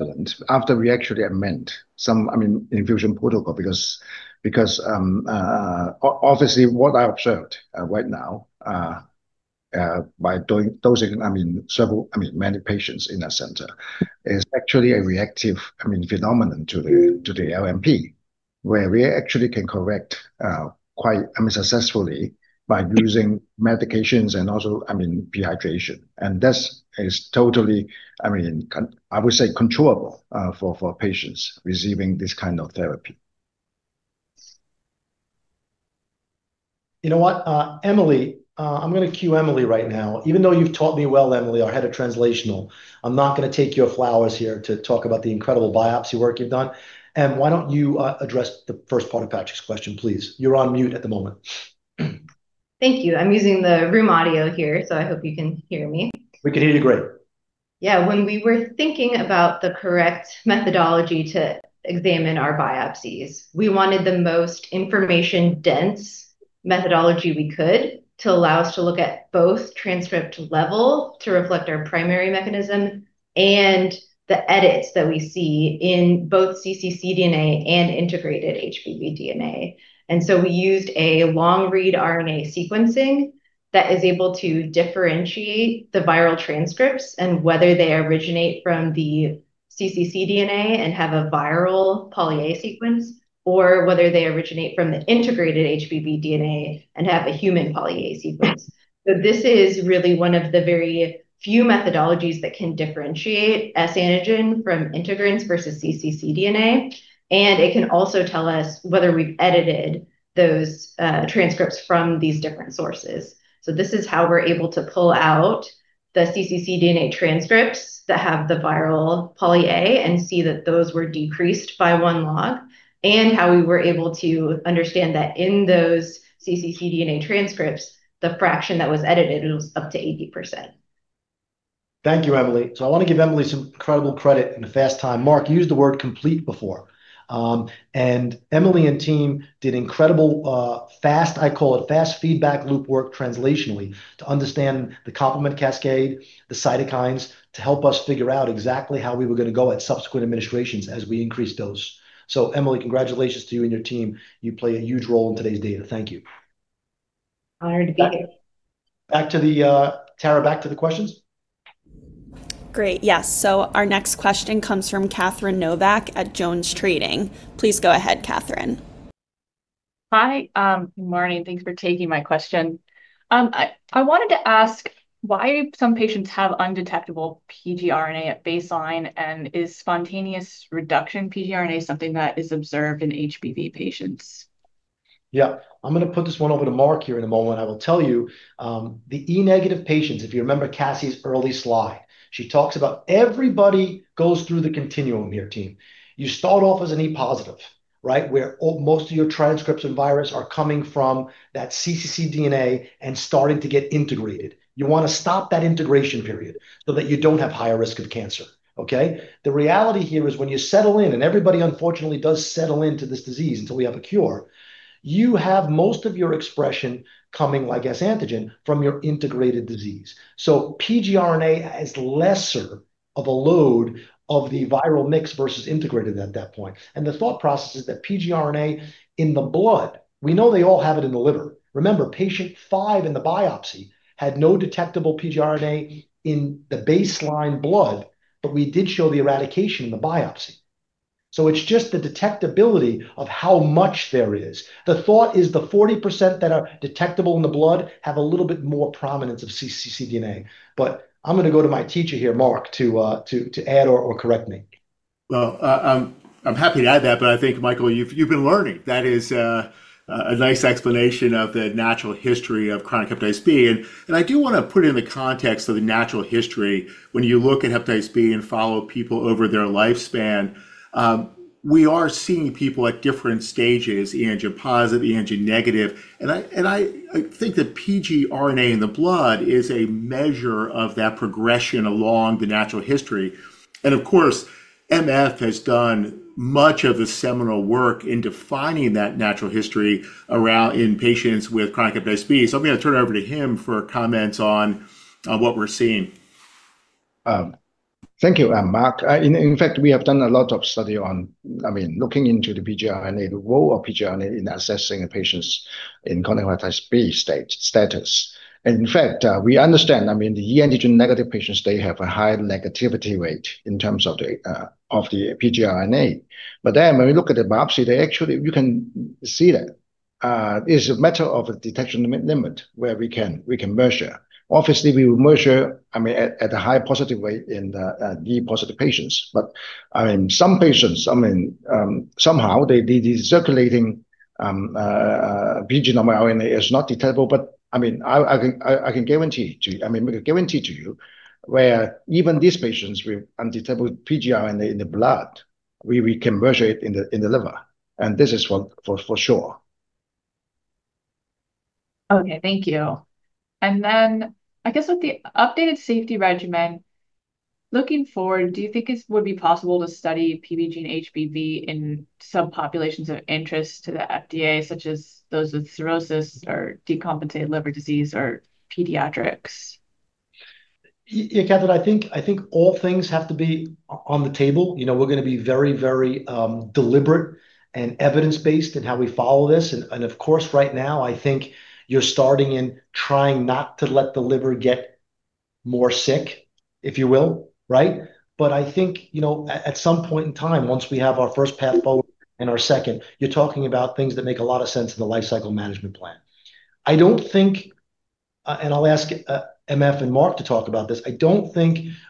and after we actually amend some infusion protocol because obviously what I observed right now by dosing many patients in our center is actually a reactive phenomenon to the LNP, where we actually can correct quite successfully by using medications and also dehydration. This is totally, I would say, controllable for patients receiving this kind of therapy. You know what? Emily. I'm going to cue Emily right now. Even though you've taught me well, Emily, our head of translational, I'm not going to take your flowers here to talk about the incredible biopsy work you've done. Em, why don't you address the first part of Patrick's question, please? You're on mute at the moment. Thank you. I'm using the room audio here, so I hope you can hear me. We can hear you great. Yeah. When we were thinking about the correct methodology to examine our biopsies, we wanted the most information-dense methodology we could to allow us to look at both transcript level to reflect our primary mechanism and the edits that we see in both cccDNA and integrated HBV DNA. We used a long-read RNA sequencing that is able to differentiate the viral transcripts and whether they originate from the cccDNA and have a viral poly sequence, or whether they originate from the integrated HBV DNA and have a human poly sequence. This is really one of the very few methodologies that can differentiate S antigen from integrants versus cccDNA, and it can also tell us whether we've edited those transcripts from these different sources. This is how we're able to pull out the cccDNA transcripts that have the viral poly and see that those were decreased by one log, and how we were able to understand that in those cccDNA transcripts, the fraction that was edited was up to 80%. Thank you, Emily. I want to give Emily some incredible credit in a fast time. Mark used the word complete before. Emily and team did incredible fast, I call it fast feedback loop work translationally to understand the complement cascade, the cytokines, to help us figure out exactly how we were going to go at subsequent administrations as we increase dose. Emily, congratulations to you and your team. You play a huge role in today's data. Thank you. Honored to be here. Tara, back to the questions. Great. Yes. Our next question comes from Catherine Novack at JonesTrading. Please go ahead, Catherine. Hi. Good morning. Thanks for taking my question. I wanted to ask why some patients have undetectable pgRNA at baseline and is spontaneous reduction pgRNA something that is observed in HBV patients? Yeah. I'm going to put this one over to Mark here in a moment. I will tell you, the e-negative patients, if you remember Cassie's early slide, she talks about everybody goes through the continuum here, team. You start off as an e-positive, right? Where most of your transcripts and virus are coming from that cccDNA and starting to get integrated. You want to stop that integration period so that you don't have higher risk of cancer. Okay. The reality here is when you settle in, and everybody unfortunately does settle into this disease until we have a cure, you have most of your expression coming like S-antigen from your integrated disease. PgRNA is lesser of a load of the viral mix versus integrated at that point. The thought process is that pgRNA in the blood, we know they all have it in the liver. Remember, patient five in the biopsy had no detectable pgRNA in the baseline blood, but we did show the eradication in the biopsy. It's just the detectability of how much there is. The thought is the 40% that are detectable in the blood have a little bit more prominence of cccDNA. I'm going to go to my teacher here, Mark, to add or correct me. Well, I'm happy to add that, but I think, Michael, you've been learning. That is a nice explanation of the natural history of chronic hepatitis B. I do want to put in the context of the natural history. When you look at hepatitis B and follow people over their lifespan, we are seeing people at different stages, HBsAg positive, HBsAg negative, and I think that pgRNA in the blood is a measure of that progression along the natural history. Of course, MF has done much of the seminal work in defining that natural history in patients with chronic hepatitis B. I'm going to turn it over to him for comments on what we're seeing. Thank you, Mark. In fact, we have done a lot of study on looking into the pgRNA, the role of pgRNA in assessing a patient's chronic hepatitis B status. In fact, we understand, the e antigen negative patients, they have a higher negativity rate in terms of the pgRNA. When we look at the biopsy, they actually, you can see that it's a matter of a detection limit where we can measure. Obviously, we will measure at a high positive rate in the D positive patients. Some patients, somehow the circulating pgRNA is not detectable. I can guarantee to you where even these patients with undetectable pgRNA in the blood, we can measure it in the liver, and this is for sure. Okay. Thank you. I guess with the updated safety regimen, looking forward, do you think it would be possible to study PB and HBV in subpopulations of interest to the FDA, such as those with cirrhosis or decompensated liver disease or pediatrics? Yeah, Catherine, I think all things have to be on the table. We're going to be very deliberate and evidence-based in how we follow this. Of course, right now, I think you're starting in trying not to let the liver get more sick, if you will. Right? I think, at some point in time, once we have our first path forward and our second, you're talking about things that make a lot of sense in the life cycle management plan. I don't think, and I'll ask MF and Mark to talk about this,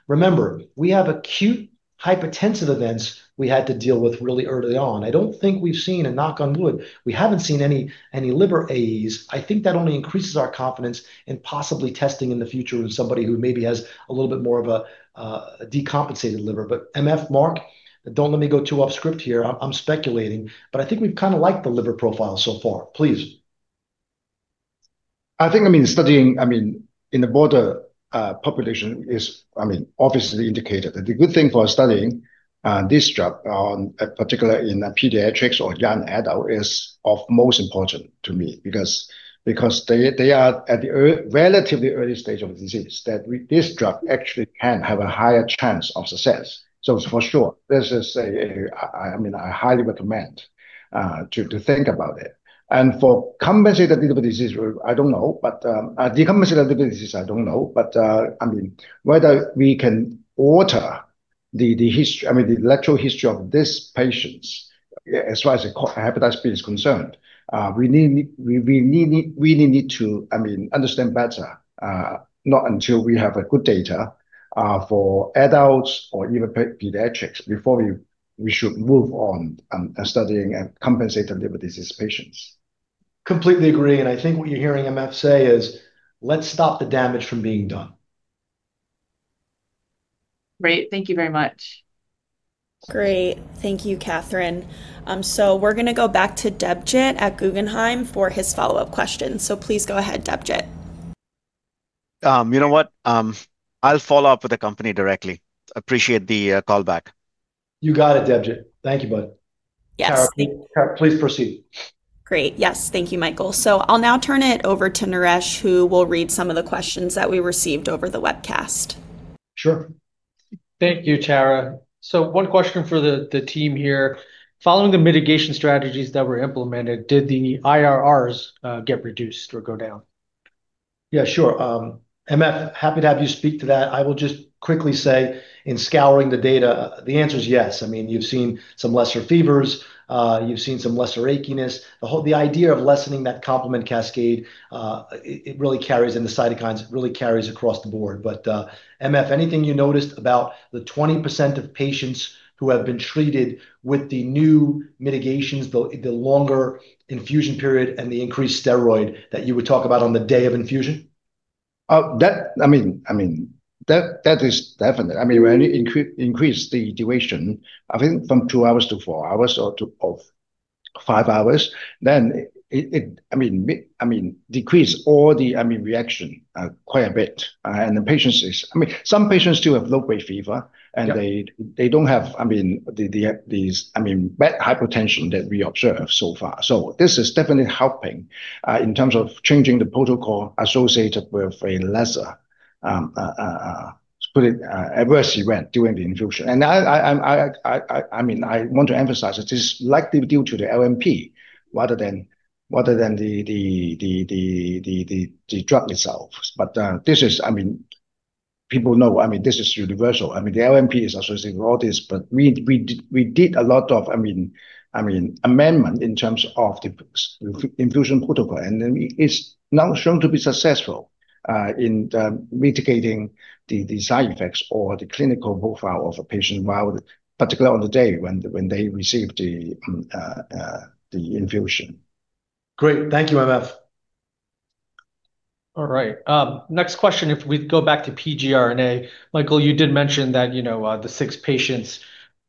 remember, we have acute hypertensive events we had to deal with really early on. I don't think we've seen, and knock on wood, we haven't seen any liver AEs. I think that only increases our confidence in possibly testing in the future in somebody who maybe has a little bit more of a decompensated liver. MF, Mark, don't let me go too off script here. I'm speculating, but I think we've kind of like the liver profile so far. Please. I think, studying in the broader population is obviously indicated. The good thing for studying this drug, particularly in pediatrics or young adult, is of most important to me because they are at the relatively early stage of the disease that this drug actually can have a higher chance of success. For sure, I highly recommend to think about it. For compensated liver disease, I don't know. Decompensated liver disease, I don't know. Whether we can alter the natural history of these patients as far as Hepatitis B is concerned, we really need to understand better, not until we have a good data for adults or even pediatrics before we should move on studying compensated liver disease patients. Completely agree. I think what you're hearing MF say is, let's stop the damage from being done. Great. Thank you very much. Great. Thank you, Catherine. We're going to go back to Debjit at Guggenheim for his follow-up question. Please go ahead, Debjit. You know what? I'll follow up with the company directly. Appreciate the call back. You got it, Debjit. Thank you, bud. Tara, please proceed. Great. Yes. Thank you, Michael. I'll now turn it over to Naresh, who will read some of the questions that we received over the webcast. Sure. Thank you, Tara. One question for the team here. Following the mitigation strategies that were implemented, did the IRRs get reduced or go down? Yeah, sure. MF, happy to have you speak to that. I will just quickly say, in scouring the data, the answer is yes. You've seen some lesser fevers. You've seen some lesser achiness. The idea of lessening that complement cascade, it really carries, and the cytokines, really carries across the board. MF, anything you noticed about the 20% of patients who have been treated with the new mitigations, the longer infusion period, and the increased steroid that you would talk about on the day of infusion? That is definite. When you increase the duration, I think from two hours to four hours or to five hours, then it decrease all the reaction quite a bit. Some patients do have low-grade fever. They don't have these bad hypotension that we observe so far. This is definitely helping in terms of changing the protocol associated with a lesser, let's put it, adverse event during the infusion. I want to emphasize it is likely due to the LNP rather than the drug itself. People know this is universal. The LNP is associated with all this, but we did a lot of amendment in terms of the infusion protocol, and then it's now shown to be successful in mitigating the side effects or the clinical profile of a patient, particularly on the day when they receive the infusion. Great. Thank you, M.F. All right. Next question, if we go back to pgRNA. Michael, you did mention that the six patients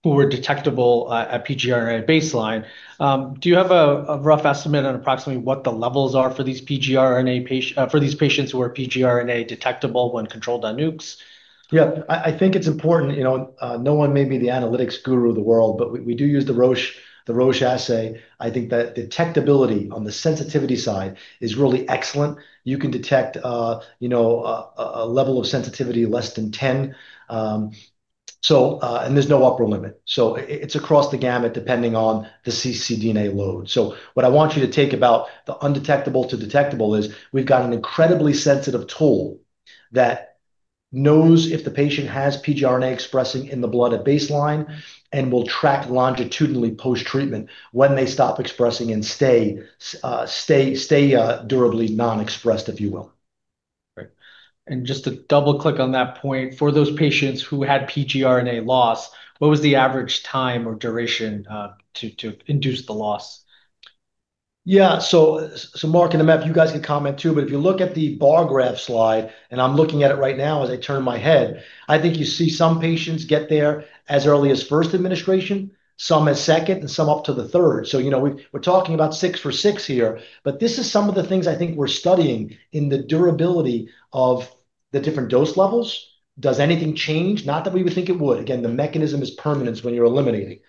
who were detectable at pgRNA baseline. Do you have a rough estimate on approximately what the levels are for these patients who are pgRNA detectable when controlled on nucs? Yeah. I think it's important, no one may be the analytics guru of the world, but we do use the Roche assay. I think that detectability on the sensitivity side is really excellent. You can detect a level of sensitivity less than 10, and there's no upper limit. It's across the gamut, depending on the cccDNA load. What I want you to take about the undetectable to detectable is we've got an incredibly sensitive tool that knows if the patient has pgRNA expressing in the blood at baseline and will track longitudinally post-treatment when they stop expressing and stay durably non-expressed, if you will. Just to double-click on that point, for those patients who had pgRNA loss, what was the average time or duration to induce the loss? Yeah. Mark and MF, you guys can comment too, but if you look at the bar graph slide, and I'm looking at it right now as I turn my head, I think you see some patients get there as early as first administration, some as second, and some up to the third. We're talking about six for six here, but this is some of the things I think we're studying in the durability of the different dose levels. Does anything change? Not that we would think it would. Again, the mechanism is permanence when you're eliminating.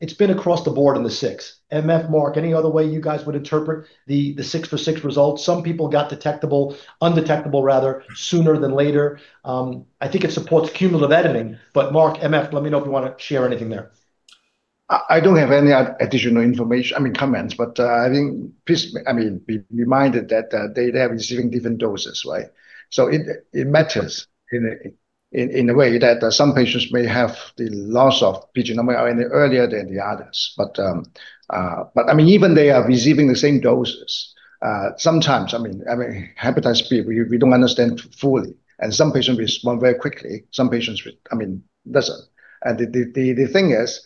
It's been across the board in the six. MF, Mark, any other way you guys would interpret the six-for-six results? Some people got detectable, undetectable rather, sooner than later. I think it supports cumulative editing. Mark, MF, let me know if you want to share anything there. I don't have any additional information, I mean, comments, but I think please be reminded that they are receiving different doses, right? It matters in a way that some patients may have the loss of pgRNA earlier than the others. Even they are receiving the same doses. Sometimes, hepatitis B, we don't understand fully, and some patients respond very quickly, some patients doesn't. The thing is,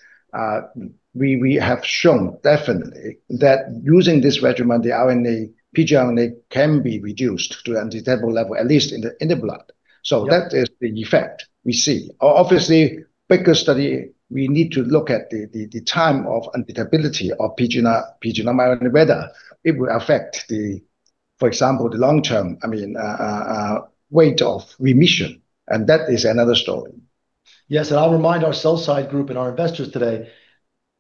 we have shown definitely that using this regimen, the pgRNA can be reduced to undetectable level, at least in the blood. That is the effect we see. Obviously, bigger study, we need to look at the time of undetectability of pgRNA, whether it will affect, for example, the long term, rate of remission, and that is another story. Yes, I'll remind our sell side group and our investors today,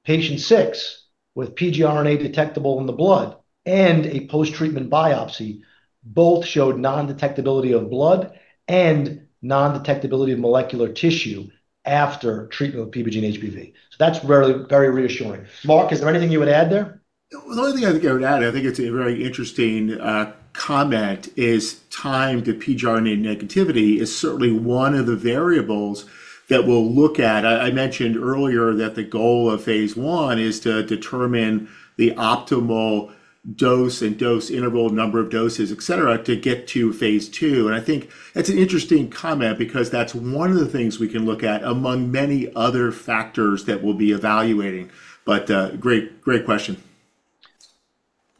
patient six with pgRNA detectable in the blood and a post-treatment biopsy both showed non-detectability of blood and non-detectability of molecular tissue after treatment with PBGENE-HBV. That's very reassuring. Mark, is there anything you would add there? The only thing I think I would add, I think it's a very interesting comment, is time to pgRNA negativity is certainly one of the variables that we'll look at. I mentioned earlier that the goal of phase I is to determine the optimal dose and dose interval, number of doses, et cetera, to get to phase II, and I think that's an interesting comment because that's one of the things we can look at among many other factors that we'll be evaluating. Great question.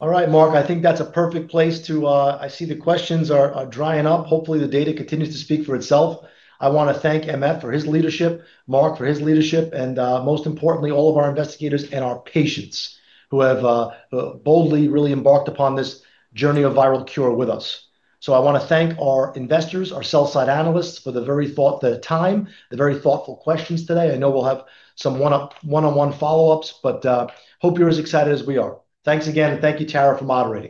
All right, Mark, I think that's a perfect place. I see the questions are drying up. Hopefully, the data continues to speak for itself. I want to thank MF for his leadership, Mark for his leadership, and most importantly, all of our investigators and our patients who have boldly really embarked upon this journey of viral cure with us. I want to thank our investors, our sell side analysts for their time, the very thoughtful questions today. I know we'll have some one-on-one follow-ups, but hope you're as excited as we are. Thanks again, and thank you, Tara, for moderating.